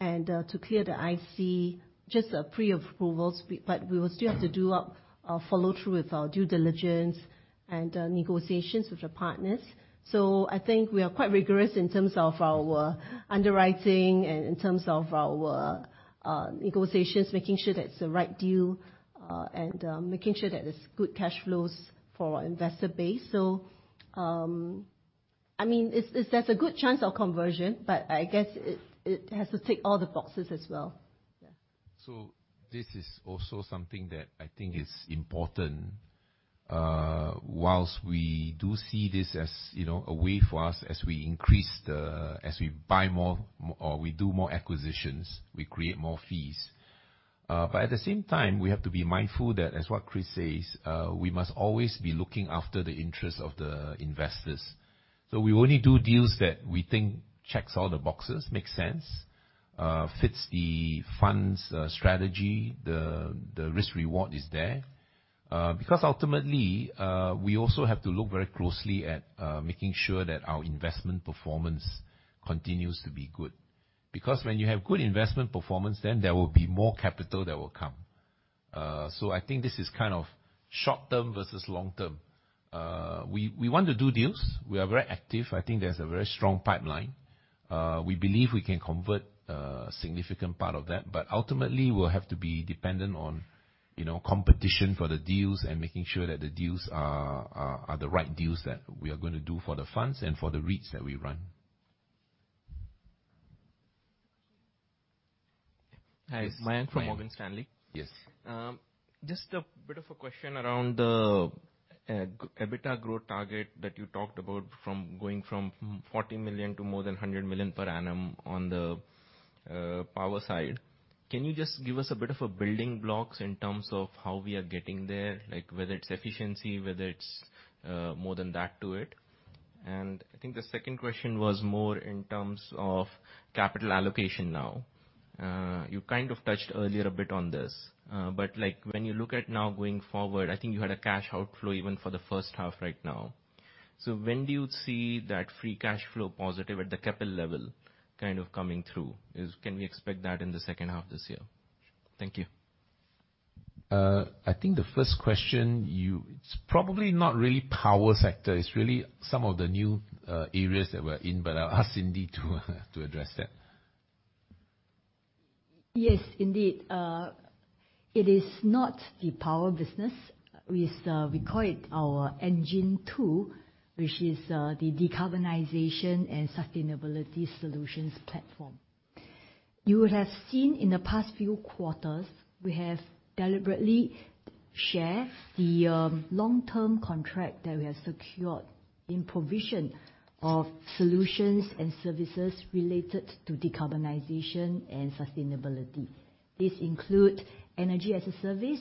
G: to clear the IC, just pre-approvals, but we will still have to do our follow-through with our due diligence and negotiations with our partners. So I think we are quite rigorous in terms of our underwriting and in terms of our negotiations, making sure that it's the right deal and making sure that there's good cash flows for our investor base. So I mean, there's a good chance of conversion, but I guess it has to tick all the boxes as well. Yeah.
B: So this is also something that I think is important while we do see this as a way for us as we increase the—as we buy more or we do more acquisitions, we create more fees. But at the same time, we have to be mindful that, as what Chris says, we must always be looking after the interests of the investors. So we only do deals that we think checks all the boxes, makes sense, fits the funds strategy, the risk-reward is there. Because ultimately, we also have to look very closely at making sure that our investment performance continues to be good. Because when you have good investment performance, then there will be more capital that will come. So I think this is kind of short-term versus long-term. We want to do deals. We are very active. I think there's a very strong pipeline. We believe we can convert a significant part of that, but ultimately, we'll have to be dependent on competition for the deals and making sure that the deals are the right deals that we are going to do for the funds and for the REITs that we run.
J: Hi. Mayank from Morgan Stanley.
B: Yes.
J: Just a bit of a question around the EBITDA growth target that you talked about from going from 40 million to more than 100 million per annum on the power side. Can you just give us a bit of a building blocks in terms of how we are getting there, whether it's efficiency, whether it's more than that to it? And I think the second question was more in terms of capital allocation now. You kind of touched earlier a bit on this, but when you look at now going forward, I think you had a cash outflow even for the first half right now. So when do you see that free cash flow positive at the Keppel level kind of coming through? Can we expect that in the second half this year? Thank you.
B: I think the first question, it's probably not really power sector. It's really some of the new areas that we're in, but I'll ask Cindy to address that.
E: Yes, indeed. It is not the power business. We call it our Engine 2, which is the decarbonization and sustainability solutions platform. You have seen in the past few quarters, we have deliberately shared the long-term contract that we have secured in provision of solutions and services related to decarbonization and sustainability. This includes energy as a service,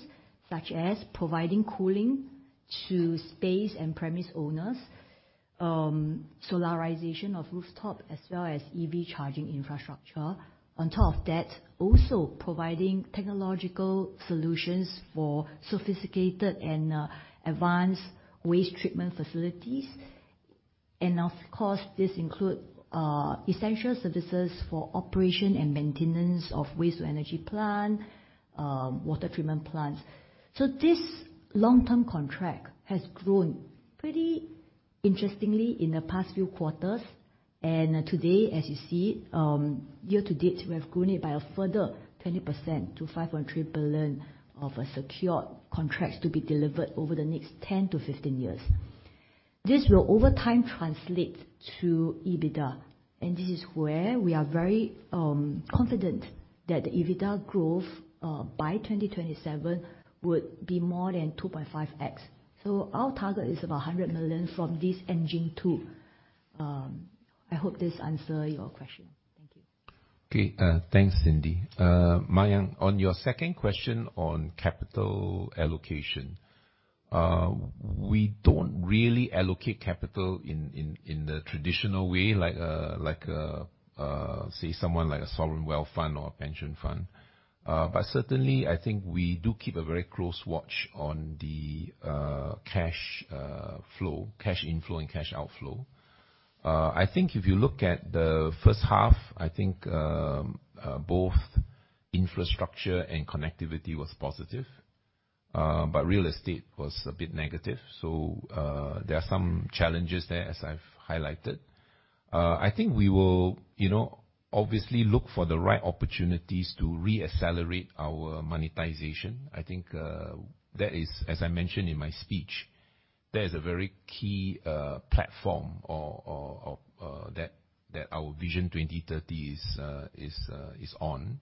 E: such as providing cooling to space and premise owners, solarization of rooftop, as well as EV charging infrastructure. On top of that, also providing technological solutions for sophisticated and advanced waste treatment facilities. And of course, this includes essential services for operation and maintenance of waste-to-energy plants, water treatment plants. So this long-term contract has grown pretty interestingly in the past few quarters. And today, as you see, year-to-date, we have grown it by a further 20% to 5.3 billion of secured contracts to be delivered over the next 10-15 years. This will over time translate to EBITDA, and this is where we are very confident that the EBITDA growth by 2027 would be more than 2.5x. So our target is about 100 million from this Engine 2. I hope this answers your question. Thank you.
B: Okay. Thanks, Cindy. Mayank, on your second question on capital allocation, we don't really allocate capital in the traditional way, like say someone like a sovereign wealth fund or a pension fund. But certainly, I think we do keep a very close watch on the cash flow, cash inflow, and cash outflow. I think if you look at the first half, I think both Infrastructure and Connectivity was positive, but Real Estate was a bit negative. So there are some challenges there, as I've highlighted. I think we will obviously look for the right opportunities to re-accelerate our monetization. I think that is, as I mentioned in my speech, that is a very key platform that our Vision 2030 is on,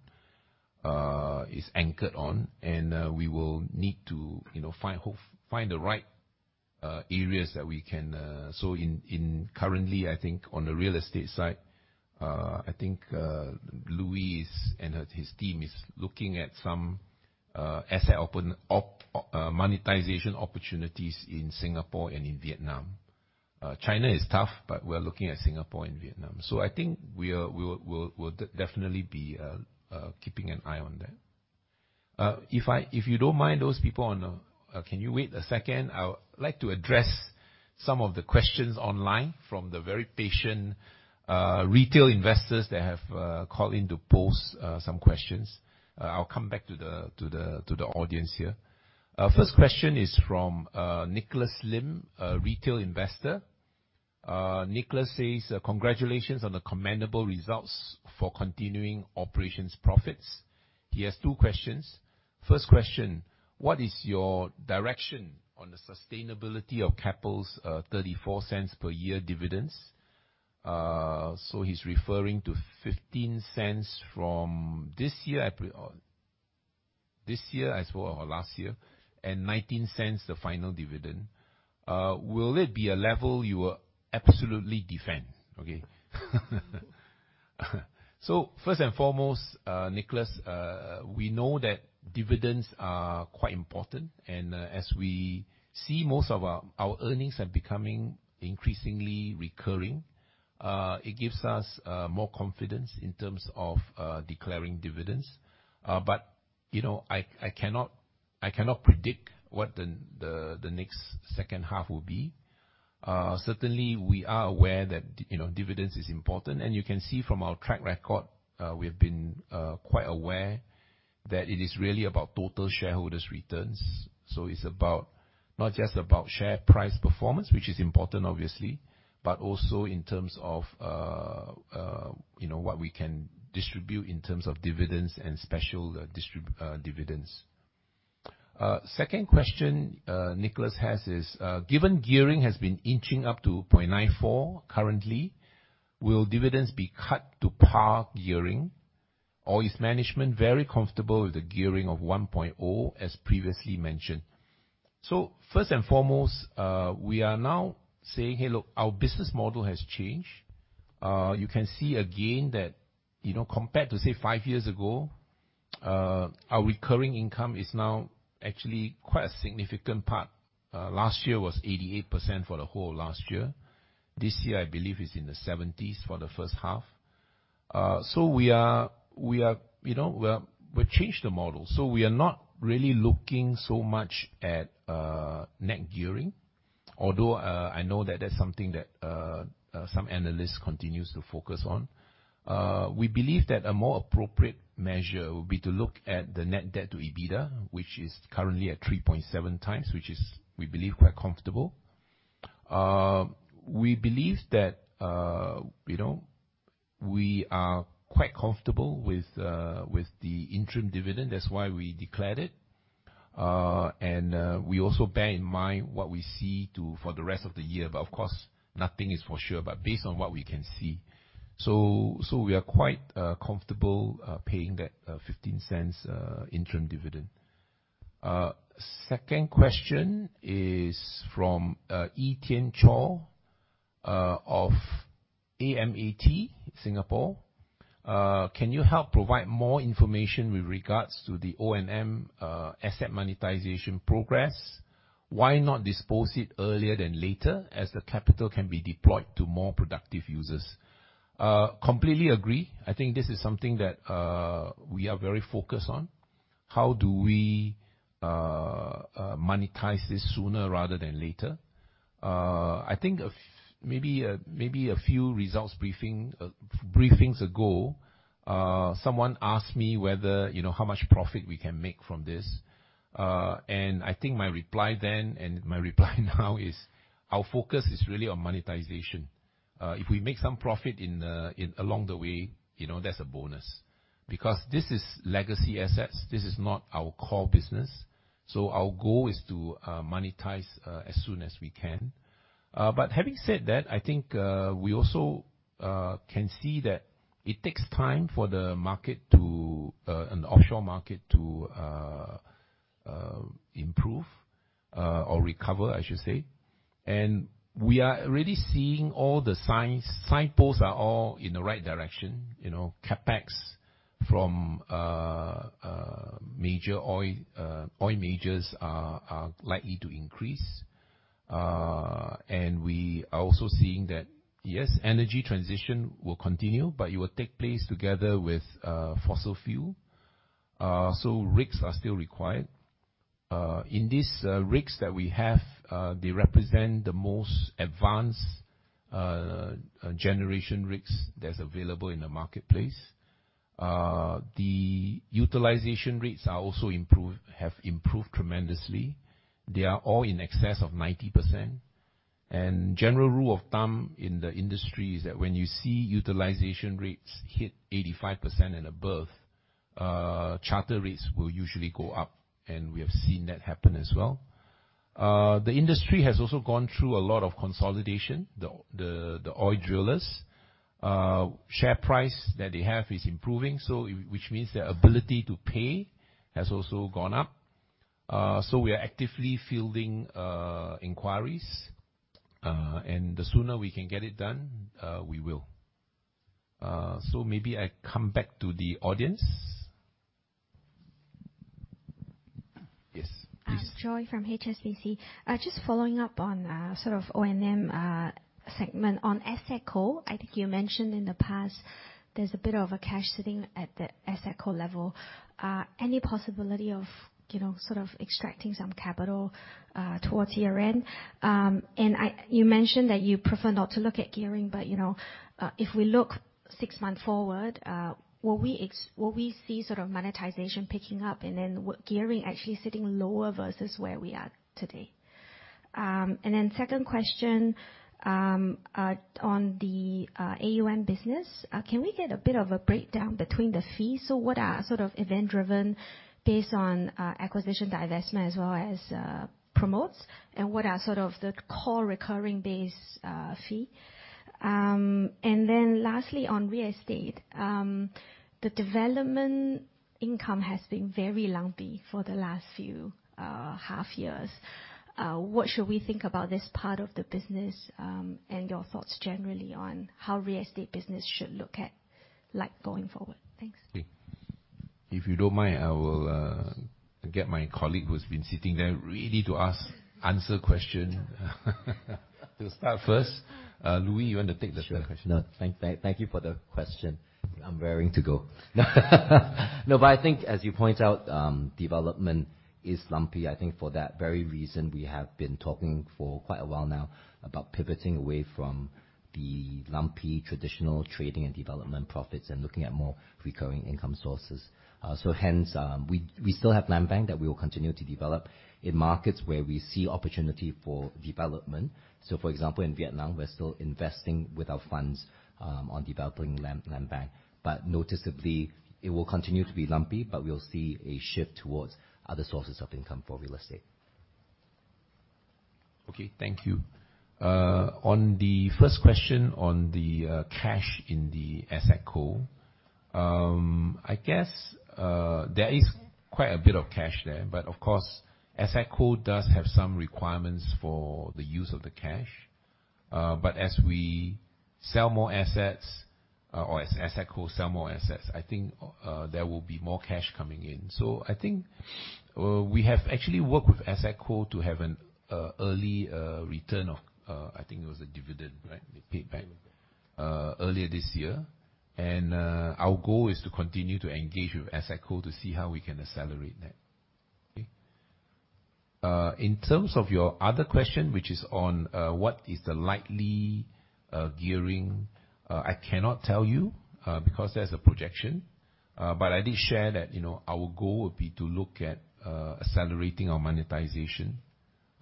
B: is anchored on, and we will need to find the right areas that we can. So currently, I think on the Real Estate side, I think Louis and his team is looking at some asset monetization opportunities in Singapore and in Vietnam. China is tough, but we're looking at Singapore and Vietnam. So I think we'll definitely be keeping an eye on that. If you don't mind, those people on the—can you wait a second? I would like to address some of the questions online from the very patient retail investors that have called in to post some questions. I'll come back to the audience here. First question is from Nicholas Lim, a retail investor. Nicholas says, "Congratulations on the commendable results for continuing operations profits." He has two questions. First question, what is your direction on the sustainability of Keppel's 0.34 per year dividends? So he's referring to 0.15 from this year, this year as well as last year, and 0.19 the final dividend. Will it be a level you will absolutely defend? Okay. So first and foremost, Nicholas, we know that dividends are quite important, and as we see most of our earnings are becoming increasingly recurring, it gives us more confidence in terms of declaring dividends. But I cannot predict what the next second half will be. Certainly, we are aware that dividends are important, and you can see from our track record, we have been quite aware that it is really about total shareholders' returns. So it's not just about share price performance, which is important, obviously, but also in terms of what we can distribute in terms of dividends and special dividends. Second question Nicholas has is, given gearing has been inching up to 0.94x currently, will dividends be cut to par gearing, or is management very comfortable with the gearing of 1.0x, as previously mentioned? So first and foremost, we are now saying, "Hey, look, our business model has changed." You can see again that compared to, say, five years ago, our recurring income is now actually quite a significant part. Last year was 88% for the whole last year. This year, I believe, is in the 70s% for the first half. So we have changed the model. So we are not really looking so much at net gearing, although I know that that's something that some analysts continue to focus on. We believe that a more appropriate measure would be to look at the net debt to EBITDA, which is currently at 3.7x, which is, we believe, quite comfortable. We believe that we are quite comfortable with the interim dividend. That's why we declared it. We also bear in mind what we see for the rest of the year. Of course, nothing is for sure, but based on what we can see. We are quite comfortable paying that 0.15 interim dividend. Second question is from Etienne Cho of AMAT Singapore. Can you help provide more information with regards to the O&M asset monetization progress? Why not dispose it earlier than later as the capital can be deployed to more productive uses? Completely agree. I think this is something that we are very focused on. How do we monetize this sooner rather than later? I think maybe a few results briefings ago, someone asked me how much profit we can make from this. I think my reply then and my reply now is our focus is really on monetization. If we make some profit along the way, that's a bonus. Because this is legacy assets. This is not our core business. So our goal is to monetize as soon as we can. But having said that, I think we also can see that it takes time for the market, the offshore market, to improve or recover, I should say. And we are really seeing all the signposts are all in the right direction. CapEx from major oil majors are likely to increase. And we are also seeing that, yes, energy transition will continue, but it will take place together with fossil fuel. So REITs are still required. In these REITs that we have, they represent the most advanced generation REITs that's available in the marketplace. The utilization rates have improved tremendously. They are all in excess of 90%. A general rule of thumb in the industry is that when you see utilization rates hit 85% and above, charter rates will usually go up. We have seen that happen as well. The industry has also gone through a lot of consolidation. The oil drillers' share price that they have is improving, which means their ability to pay has also gone up. So we are actively fielding inquiries. And the sooner we can get it done, we will. So maybe I come back to the audience. Yes. Please.
K: I'm Joy from HSBC. Just following up on sort of O&M segment on Asset Co. I think you mentioned in the past there's a bit of a cash sitting at the Asset Co level. Any possibility of sort of extracting some capital towards year-end? You mentioned that you prefer not to look at gearing, but if we look six months forward, will we see sort of monetization picking up and then gearing actually sitting lower versus where we are today? Then second question on the AUM business, can we get a bit of a breakdown between the fees? So what are sort of event-driven based on acquisition, divestment, as well as promotes? And what are sort of the core recurring base fee? And then lastly, on Real Estate, the development income has been very lumpy for the last few half years. What should we think about this part of the business and your thoughts generally on how Real Estate business should look at going forward? Thanks.
B: Okay. If you don't mind, I will get my colleague who has been sitting there ready to answer questions. We'll start first. Louis, you want to take the question?
L: Sure. Thank you for the question. I'm raring to go. No, but I think, as you point out, development is lumpy. I think for that very reason, we have been talking for quite a while now about pivoting away from the lumpy traditional trading and development profits and looking at more recurring income sources. So hence, we still have land bank that we will continue to develop in markets where we see opportunity for development. So for example, in Vietnam, we're still investing with our funds on developing land bank. But noticeably, it will continue to be lumpy, but we'll see a shift towards other sources of income for Real Estate.
B: Okay. Thank you. On the first question on the cash in the Asset Co, I guess there is quite a bit of cash there. But of course, Asset Co does have some requirements for the use of the cash. But as we sell more assets or as Asset Co sells more assets, I think there will be more cash coming in. So I think we have actually worked with Asset Co to have an early return of, I think it was a dividend, right? They paid back earlier this year. And our goal is to continue to engage with Asset Co to see how we can accelerate that. Okay. In terms of your other question, which is on what is the likely gearing, I cannot tell you because there's a projection. But I did share that our goal would be to look at accelerating our monetization.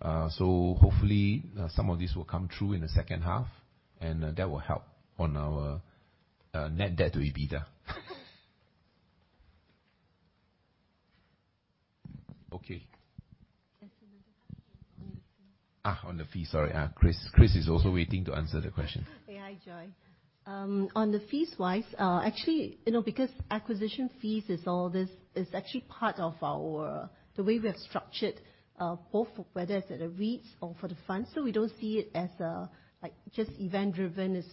B: So hopefully, some of this will come true in the second half, and that will help on our net debt to EBITDA. Okay. On the fees, sorry. Chris is also waiting to answer the question.
G: Hey, hi, Joy. On the fees-wise, actually, because acquisition fees is all this, it's actually part of the way we have structured both whether it's at the REITs or for the funds. So we don't see it as just event-driven.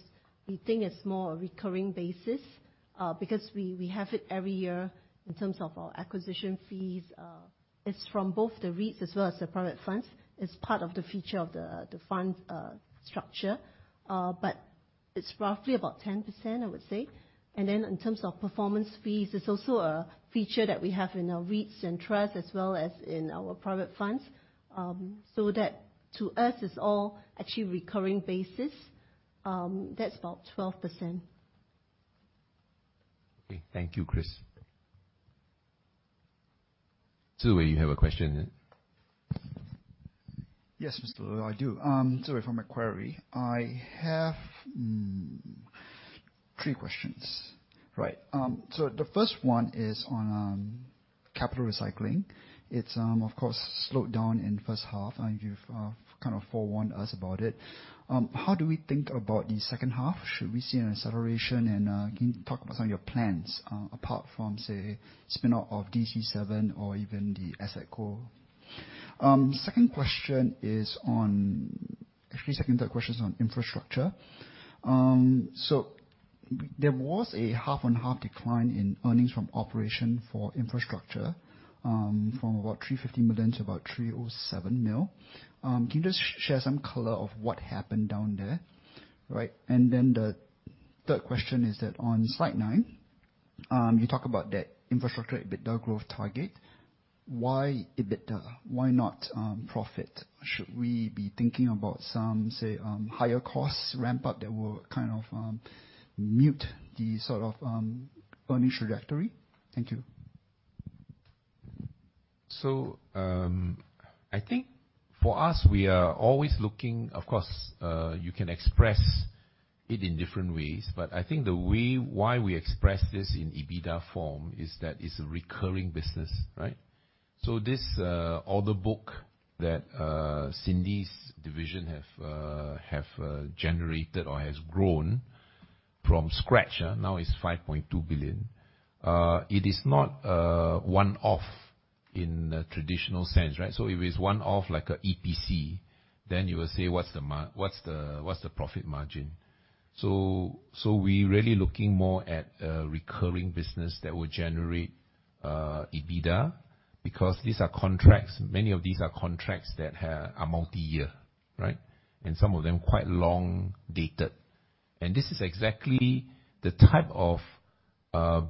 G: We think it's more a recurring basis because we have it every year in terms of our acquisition fees. It's from both the REITs as well as the private funds. It's part of the feature of the fund structure. But it's roughly about 10%, I would say. And then in terms of performance fees, it's also a feature that we have in our REITs and trusts as well as in our private funds. So that to us is all actually recurring basis. That's about 12%.
B: Okay. Thank you, Chris. So do you have a question?
M: Yes, Mr. Loh, I do. So if I'm acquiring, I have three questions. Right. So the first one is on capital recycling. It's, of course, slowed down in the first half. You've kind of forewarned us about it. How do we think about the second half? Should we see an acceleration? And can you talk about some of your plans apart from, say, spin-off of DC7 or even the Asset Co? Second question is on, actually, second and third questions on infrastructure. So there was a half-on-half decline in earnings from operation for infrastructure from about 350 million to about 307 million. Can you just share some color of what happened down there? Right. And then the third question is that on Slide 9, you talk about that infrastructure EBITDA growth target. Why EBITDA? Why not profit? Should we be thinking about some, say, higher cost ramp-up that will kind of mute the sort of earnings trajectory? Thank you.
B: So I think for us, we are always looking, of course, you can express it in different ways. But I think the way why we express this in EBITDA form is that it's a recurring business, right? So this order book that Cindy's division has generated or has grown from scratch now is 5.2 billion. It is not one-off in the traditional sense, right? So if it's one-off like an EPC, then you will say, "What's the profit margin?" So we're really looking more at a recurring business that will generate EBITDA because these are contracts. Many of these are contracts that are multi-year, right? And some of them quite long-dated. And this is exactly the type of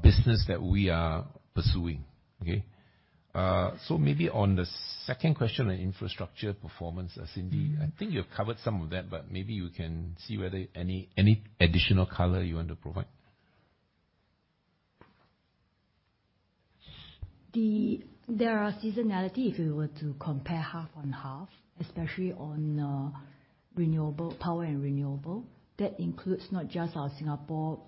B: business that we are pursuing. Okay. So maybe on the second question on infrastructure performance, Cindy, I think you've covered some of that, but maybe you can see whether any additional color you want to provide.
E: There are seasonalities if you were to compare half-on-half, especially on power and renewable. That includes not just our Singapore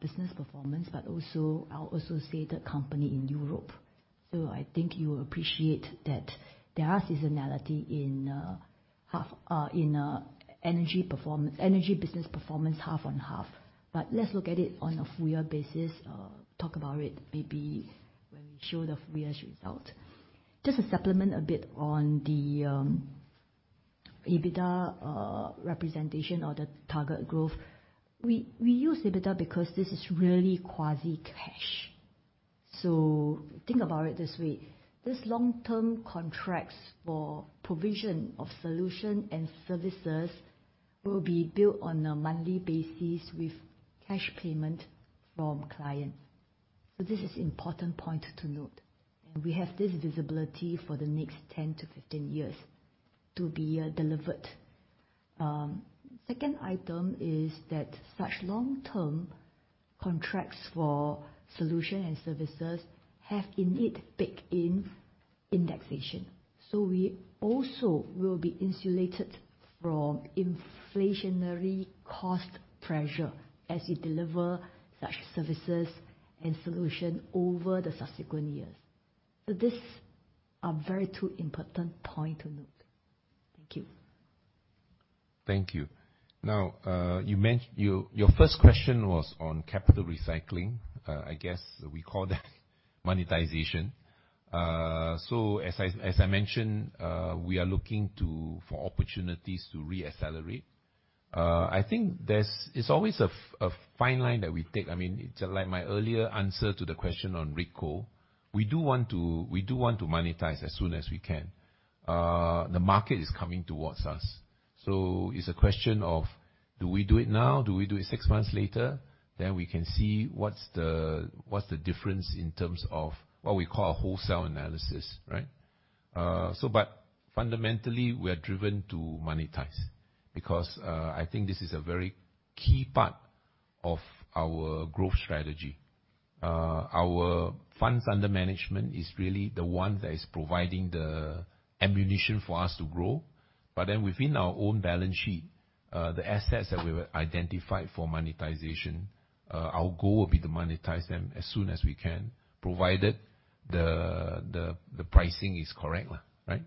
E: business performance, but also our associated company in Europe. So I think you will appreciate that there are seasonalities in energy business performance half-on-half. But let's look at it on a full-year basis. Talk about it maybe when we show the full-year results. Just to supplement a bit on the EBITDA representation or the target growth, we use EBITDA because this is really quasi-cash. So think about it this way. This long-term contracts for provision of solutions and services will be built on a monthly basis with cash payment from clients. So this is an important point to note. We have this visibility for the next 10-15 years to be delivered. Second item is that such long-term contracts for solutions and services have in it baked-in indexation. We also will be insulated from inflationary cost pressure as we deliver such services and solutions over the subsequent years. These are very two important points to note. Thank you.
B: Thank you. Now, your first question was on capital recycling. I guess we call that monetization. As I mentioned, we are looking for opportunities to re-accelerate. I think there's always a fine line that we take. I mean, it's like my earlier answer to the question on Rigco. We do want to monetize as soon as we can. The market is coming towards us. It's a question of, do we do it now? Do we do it six months later? Then we can see what's the difference in terms of what we call a wholesale analysis, right? But fundamentally, we are driven to monetize because I think this is a very key part of our growth strategy. Our funds under management is really the one that is providing the ammunition for us to grow. But then within our own balance sheet, the assets that we've identified for monetization, our goal will be to monetize them as soon as we can, provided the pricing is correct, right?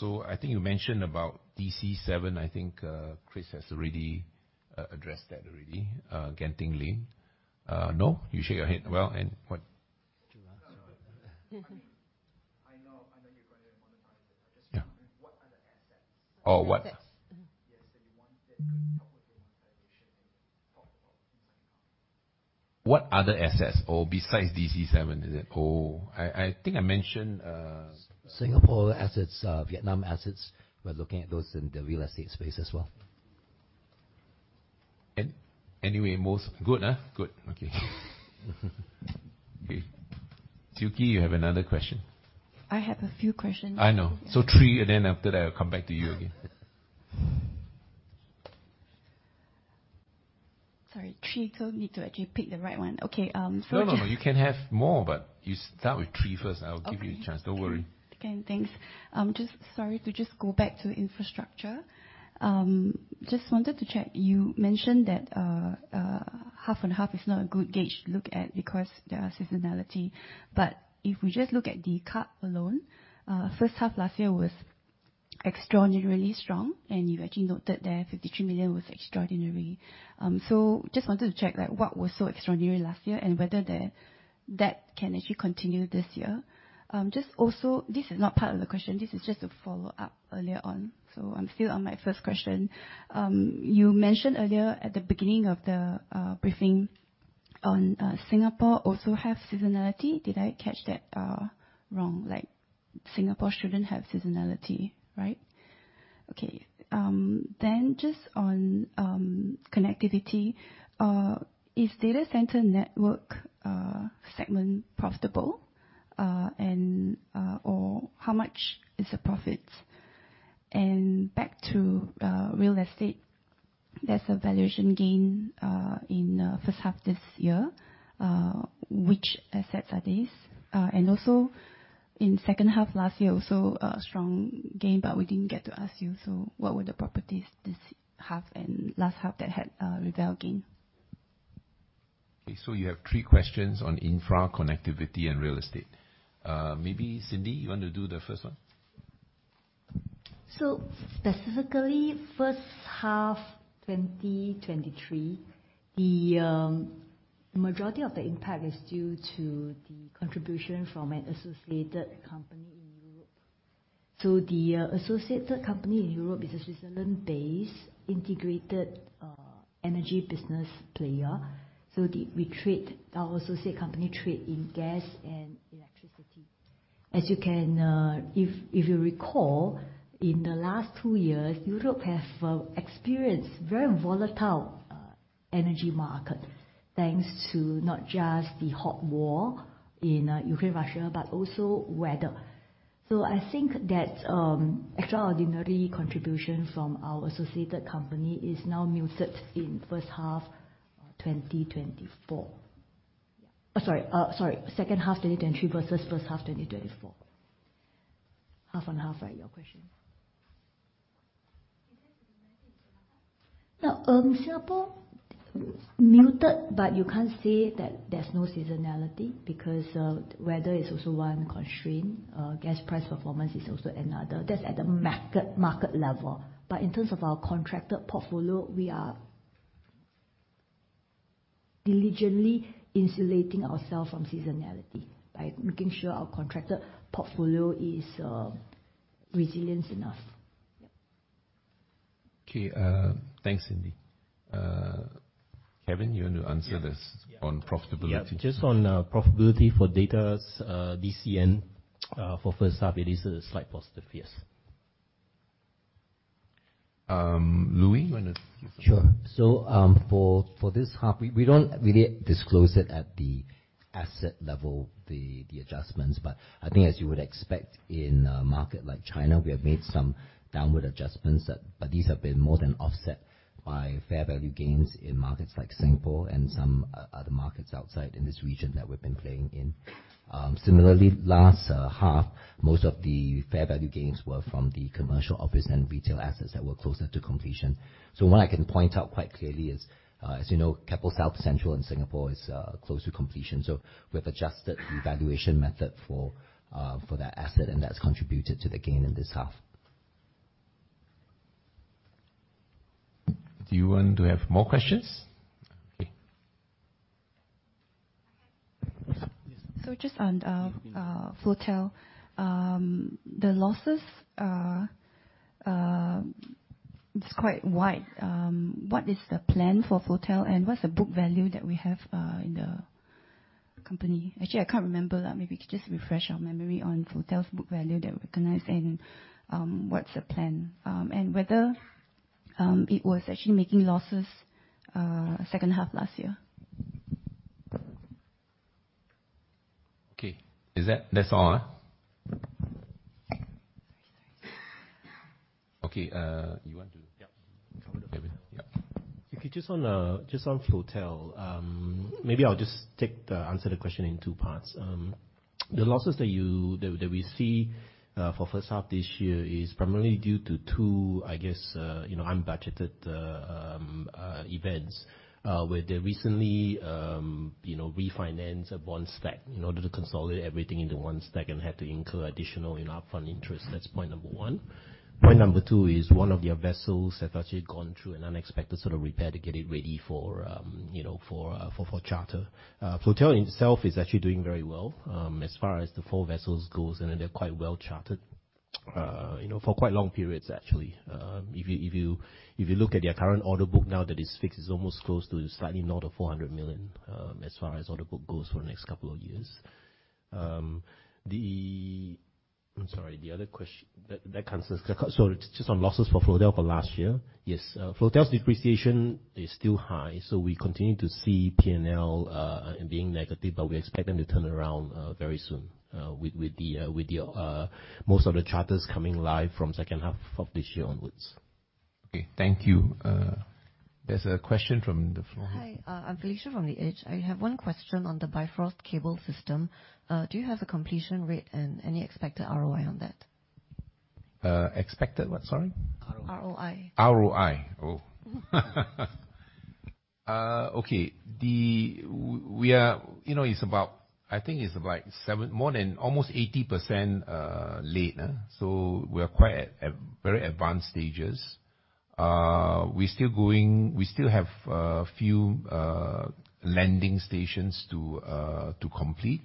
B: So I think you mentioned about DC7. I think Chris has already addressed that already, Genting Lane. No, you shake your head. Well, and what?
M: I know you're going to monetize it. I'm just wondering what other assets?
B: Oh, what?
M: Yes, so you want that could help with the monetization. Talk about inside and out.
B: What other assets? Oh, besides DC7, is it? Oh, I think I mentioned Singapore assets, Vietnam assets. We're looking at those in the Real Estate space as well. Anyway, most good, huh? Good. Okay. Okay. Siew Khee, you have another question?
H: I have a few questions.
B: I know. So three, and then after that, I'll come back to you again.
H: Sorry. Three. So I need to actually pick the right one. Okay.
B: No, no, no. You can have more, but you start with three first. I'll give you a chance. Don't worry.
H: Okay. Thanks. Just sorry to just go back to infrastructure. Just wanted to check. You mentioned that half-on-half is not a good gauge to look at because there are seasonalities. But if we just look at the CAP alone, first half last year was extraordinarily strong. And you actually noted that 53 million was extraordinary. So just wanted to check what was so extraordinary last year and whether that can actually continue this year. This is not part of the question. This is just a follow-up earlier on. So I'm still on my first question. You mentioned earlier at the beginning of the briefing on Singapore also have seasonality. Did I catch that wrong? Singapore shouldn't have seasonality, right? Okay. Then just on connectivity, is data center network segment profitable? And how much is the profit? And back to Real Estate, there's a valuation gain in the first half this year. Which assets are these? And also in second half last year, also a strong gain, but we didn't get to ask you. So what were the properties this half and last half that had revaluation gain?
B: Okay. So you have three questions on infra, connectivity, and Real Estate. Maybe Cindy, you want to do the first one?
E: So specifically, first half 2023, the majority of the impact is due to the contribution from an associated company in Europe. So the associated company in Europe is a Switzerland-based integrated energy business player. So our associated company trades in gas and electricity. As you can, if you recall, in the last 2 years, Europe has experienced a very volatile energy market thanks to not just the hot war in Ukraine, Russia, but also weather. So I think that extraordinary contribution from our associated company is now muted in first half 2024. Sorry. Sorry. Second half 2023 versus first half 2024. Half-on-half, right, your question? Singapore muted, but you can't say that there's no seasonality because weather is also one constraint. Gas price performance is also another. That's at the market level. But in terms of our contracted portfolio, we are diligently insulating ourselves from seasonality by making sure our contracted portfolio is resilient enough.
B: Okay. Thanks, Cindy. Kevin, you want to answer this on profitability?
C: Yeah. Just on profitability for data centers for first half, it is a slight positive. Yes.
B: Louis, you want to?
L: Sure. So for this half, we don't really disclose it at the asset level, the adjustments. But I think, as you would expect in a market like China, we have made some downward adjustments, but these have been more than offset by fair value gains in markets like Singapore and some other markets outside in this region that we've been playing in. Similarly, last half, most of the fair value gains were from the commercial office and retail assets that were closer to completion. So what I can point out quite clearly is, as you know, Keppel South Central in Singapore is close to completion. So we've adjusted the valuation method for that asset, and that's contributed to the gain in this half.
B: Do you want to have more questions?
H: Okay. So just on Floatel, the losses are quite wide. What is the plan for Floatel, and what's the book value that we have in the company? Actually, I can't remember. Maybe just refresh our memory on Floatel's book value that we recognize and what's the plan and whether it was actually making losses second half last year.
B: Okay. That's all? Okay. You want to cover the?
C: Yeah. Okay. Just on Floatel, maybe I'll just answer the question in two parts. The losses that we see for first half this year is primarily due to two, I guess, unbudgeted events where they recently refinanced a one stack in order to consolidate everything into one stack and had to incur additional upfront interest. That's point number one. Point number two is one of their vessels has actually gone through an unexpected sort of repair to get it ready for charter. Floatel itself is actually doing very well as far as the four vessels goes, and they're quite well chartered for quite long periods, actually. If you look at their current order book now, that is fixed, it's almost close to slightly north of 400 million as far as order book goes for the next couple of years. I'm sorry. The other question that concerns—so just on losses for Floatel for last year, yes. Floatel's depreciation is still high. So we continue to see P&L being negative, but we expect them to turn around very soon with most of the charters coming live from second half of this year onwards. Okay.
B: Thank you. There's a question from
N: the— Hi. I'm Felicia from The Edge. I have one question on the Bifrost Cable System. Do you have a completion rate and any expected ROI on that?
B: Expected what? Sorry?
N: ROI.
B: ROI. Oh. Okay. We are—I think it's more than almost 80% complete. So we are quite at very advanced stages. We're still going—we still have a few landing stations to complete.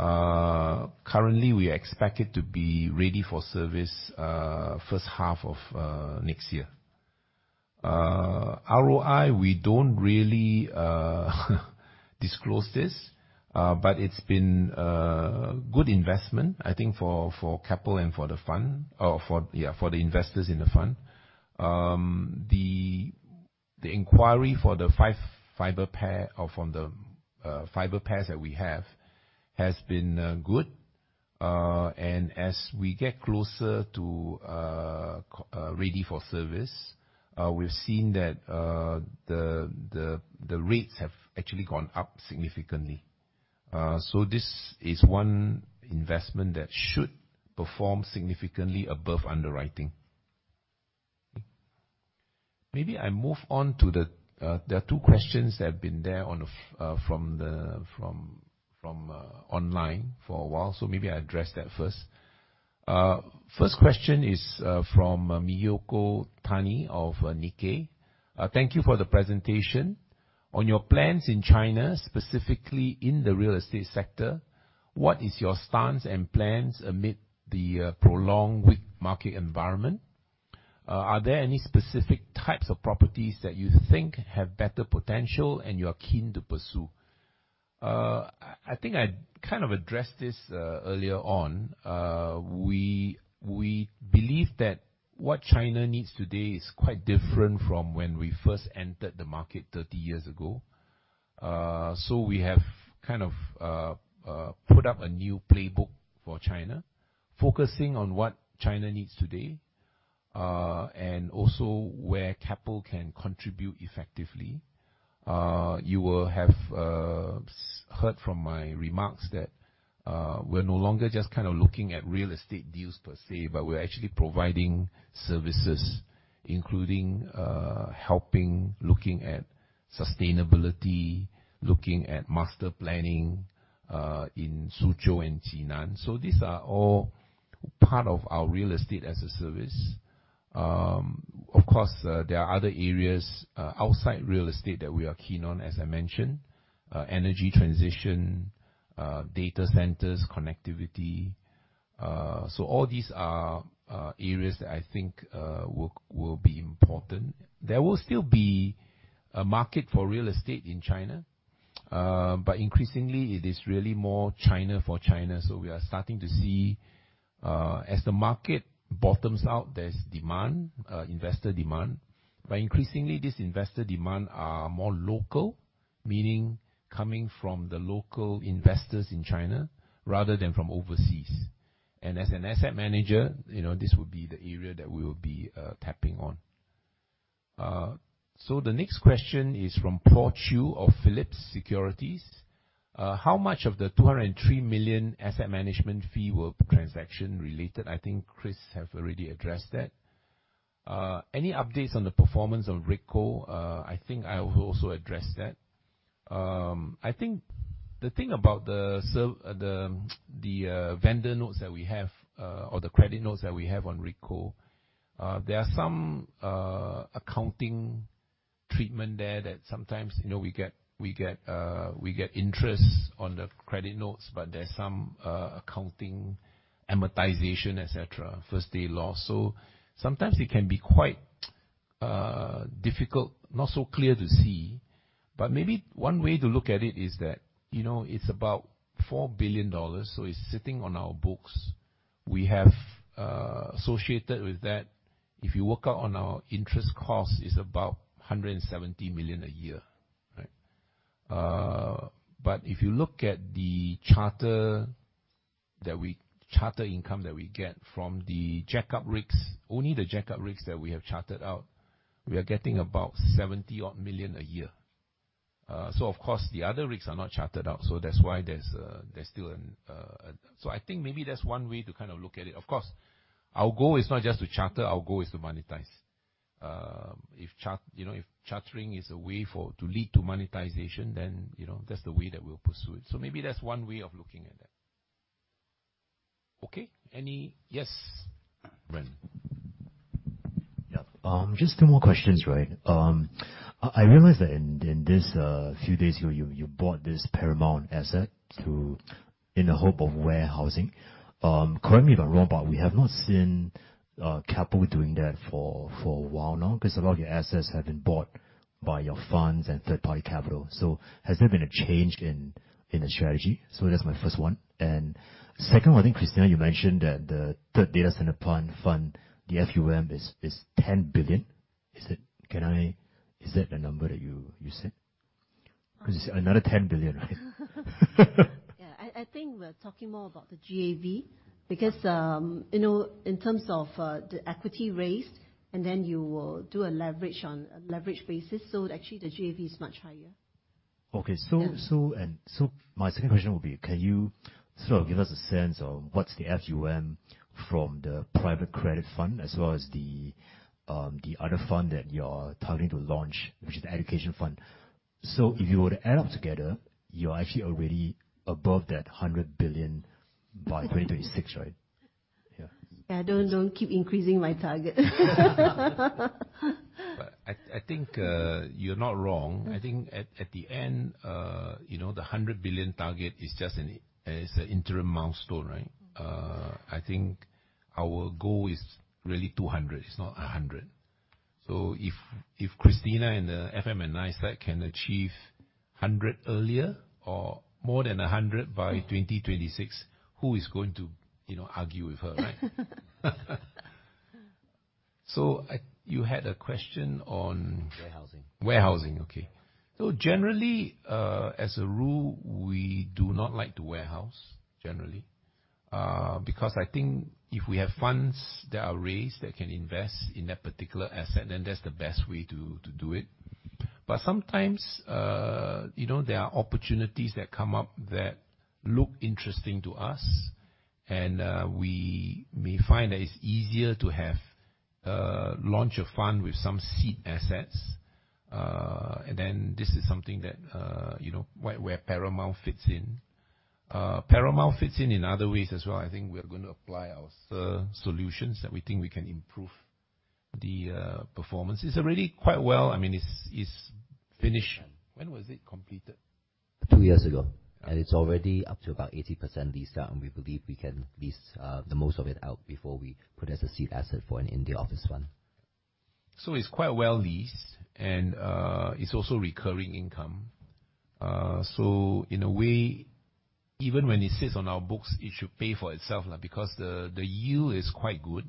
B: Currently, we are expected to be ready for service first half of next year. ROI, we don't really disclose this, but it's been a good investment, I think, for Keppel and for the fund, yeah, for the investors in the fund. The inquiry for the 5 fiber pairs or for the fiber pairs that we have has been good. As we get closer to ready for service, we've seen that the rates have actually gone up significantly. This is one investment that should perform significantly above underwriting. Maybe I move on. There are two questions that have been there from online for a while. Maybe I address that first. First question is from Miyoko Tani of Nikkei. Thank you for the presentation. On your plans in China, specifically in the Real Estate sector, what is your stance and plans amid the prolonged market environment? Are there any specific types of properties that you think have better potential and you are keen to pursue? I think I kind of addressed this earlier on. We believe that what China needs today is quite different from when we first entered the market 30 years ago. So we have kind of put up a new playbook for China, focusing on what China needs today and also where Keppel can contribute effectively. You will have heard from my remarks that we're no longer just kind of looking at Real Estate deals per se, but we're actually providing services, including helping looking at sustainability, looking at master planning in Suzhou and Jinan. So these are all part of our Real Estate as a service. Of course, there are other areas outside Real Estate that we are keen on, as I mentioned, energy transition, data centers, connectivity. So all these are areas that I think will be important. There will still be a market for Real Estate in China, but increasingly, it is really more China for China. So we are starting to see as the market bottoms out, there's demand, investor demand. But increasingly, these investor demands are more local, meaning coming from the local investors in China rather than from overseas. And as an asset manager, this would be the area that we will be tapping on. So the next question is from Paul Chew of Phillip Securities. How much of the 203 million asset management fee will transaction related? I think Chris has already addressed that. Any updates on the performance of Rigco? I think I will also address that. I think the thing about the vendor notes that we have or the credit notes that we have on Rigco, there are some accounting treatment there that sometimes we get interest on the credit notes, but there's some accounting amortization, etc., first-day loss. So sometimes it can be quite difficult, not so clear to see. But maybe one way to look at it is that it's about $4 billion. So it's sitting on our books. We have associated with that, if you work out on our interest cost, it's about 170 million a year, right? But if you look at the charter income that we get from the jackup rigs, only the jackup rigs that we have chartered out, we are getting about 70 million a year. So, of course, the other rigs are not chartered out. So that's why there's still a—so I think maybe that's one way to kind of look at it. Of course, our goal is not just to charter; our goal is to monetize. If chartering is a way to lead to monetization, then that's the way that we'll pursue it. So maybe that's one way of looking at that. Okay. Yes. Ren.
O: Yeah. Just two more questions, right? I realized that just a few days ago, you bought this One Paramount asset in the hope of warehousing. Correct me if I'm wrong, but we have not seen Keppel doing that for a while now because a lot of your assets have been bought by your funds and third-party capital. So has there been a change in the strategy? So that's my first one. And second one, I think, Christina, you mentioned that the third data center fund, the FUM, is 10 billion. Is that the number that you said? Because you said another 10 billion, right?
G: Yeah. I think we're talking more about the GAV because in terms of the equity raised, and then you will do a leverage on a leverage basis. So actually, the GAV is much higher.
O: Okay. So my second question would be, can you sort of give us a sense of what's the FUM from the private credit fund as well as the other fund that you're targeting to launch, which is the education fund? So if you were to add up together, you're actually already above that 100 billion by 2026, right?
G: Yeah. Yeah. Don't keep increasing my target.
B: But I think you're not wrong. I think at the end, the 100 billion target is just an interim milestone, right? I think our goal is really 200 billion. It's not 100 billion. So if Christina and the FM and I can achieve 100 billion earlier or more than 100 billion by 2026, who is going to argue with her, right? So you had a question on, Warehousing. Warehousing. Okay. So generally, as a rule, we do not like to warehouse, generally, because I think if we have funds that are raised that can invest in that particular asset, then that's the best way to do it. But sometimes there are opportunities that come up that look interesting to us, and we may find that it's easier to launch a fund with some seed assets. And then this is something that where Paramount fits in. Paramount fits in in other ways as well. I think we're going to apply our solutions that we think we can improve the performance. It's already quite well. I mean, it's finished. When was it completed?
L: Two years ago. And it's already up to about 80% leased out, and we believe we can lease the most of it out before we put it as a seed asset for an India office fund.
B: So it's quite well leased, and it's also recurring income. So in a way, even when it sits on our books, it should pay for itself because the yield is quite good.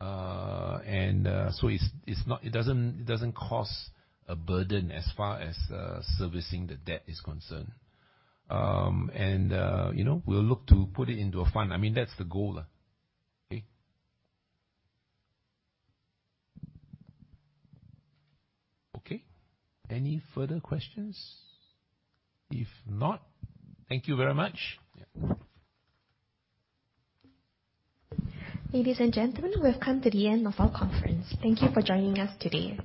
B: And so it doesn't cost a burden as far as servicing the debt is concerned. And we'll look to put it into a fund. I mean, that's the goal. Okay? Okay. Any further questions? If not, thank you very much. Ladies and gentlemen, we have come to the end of our conference. Thank you for joining us today.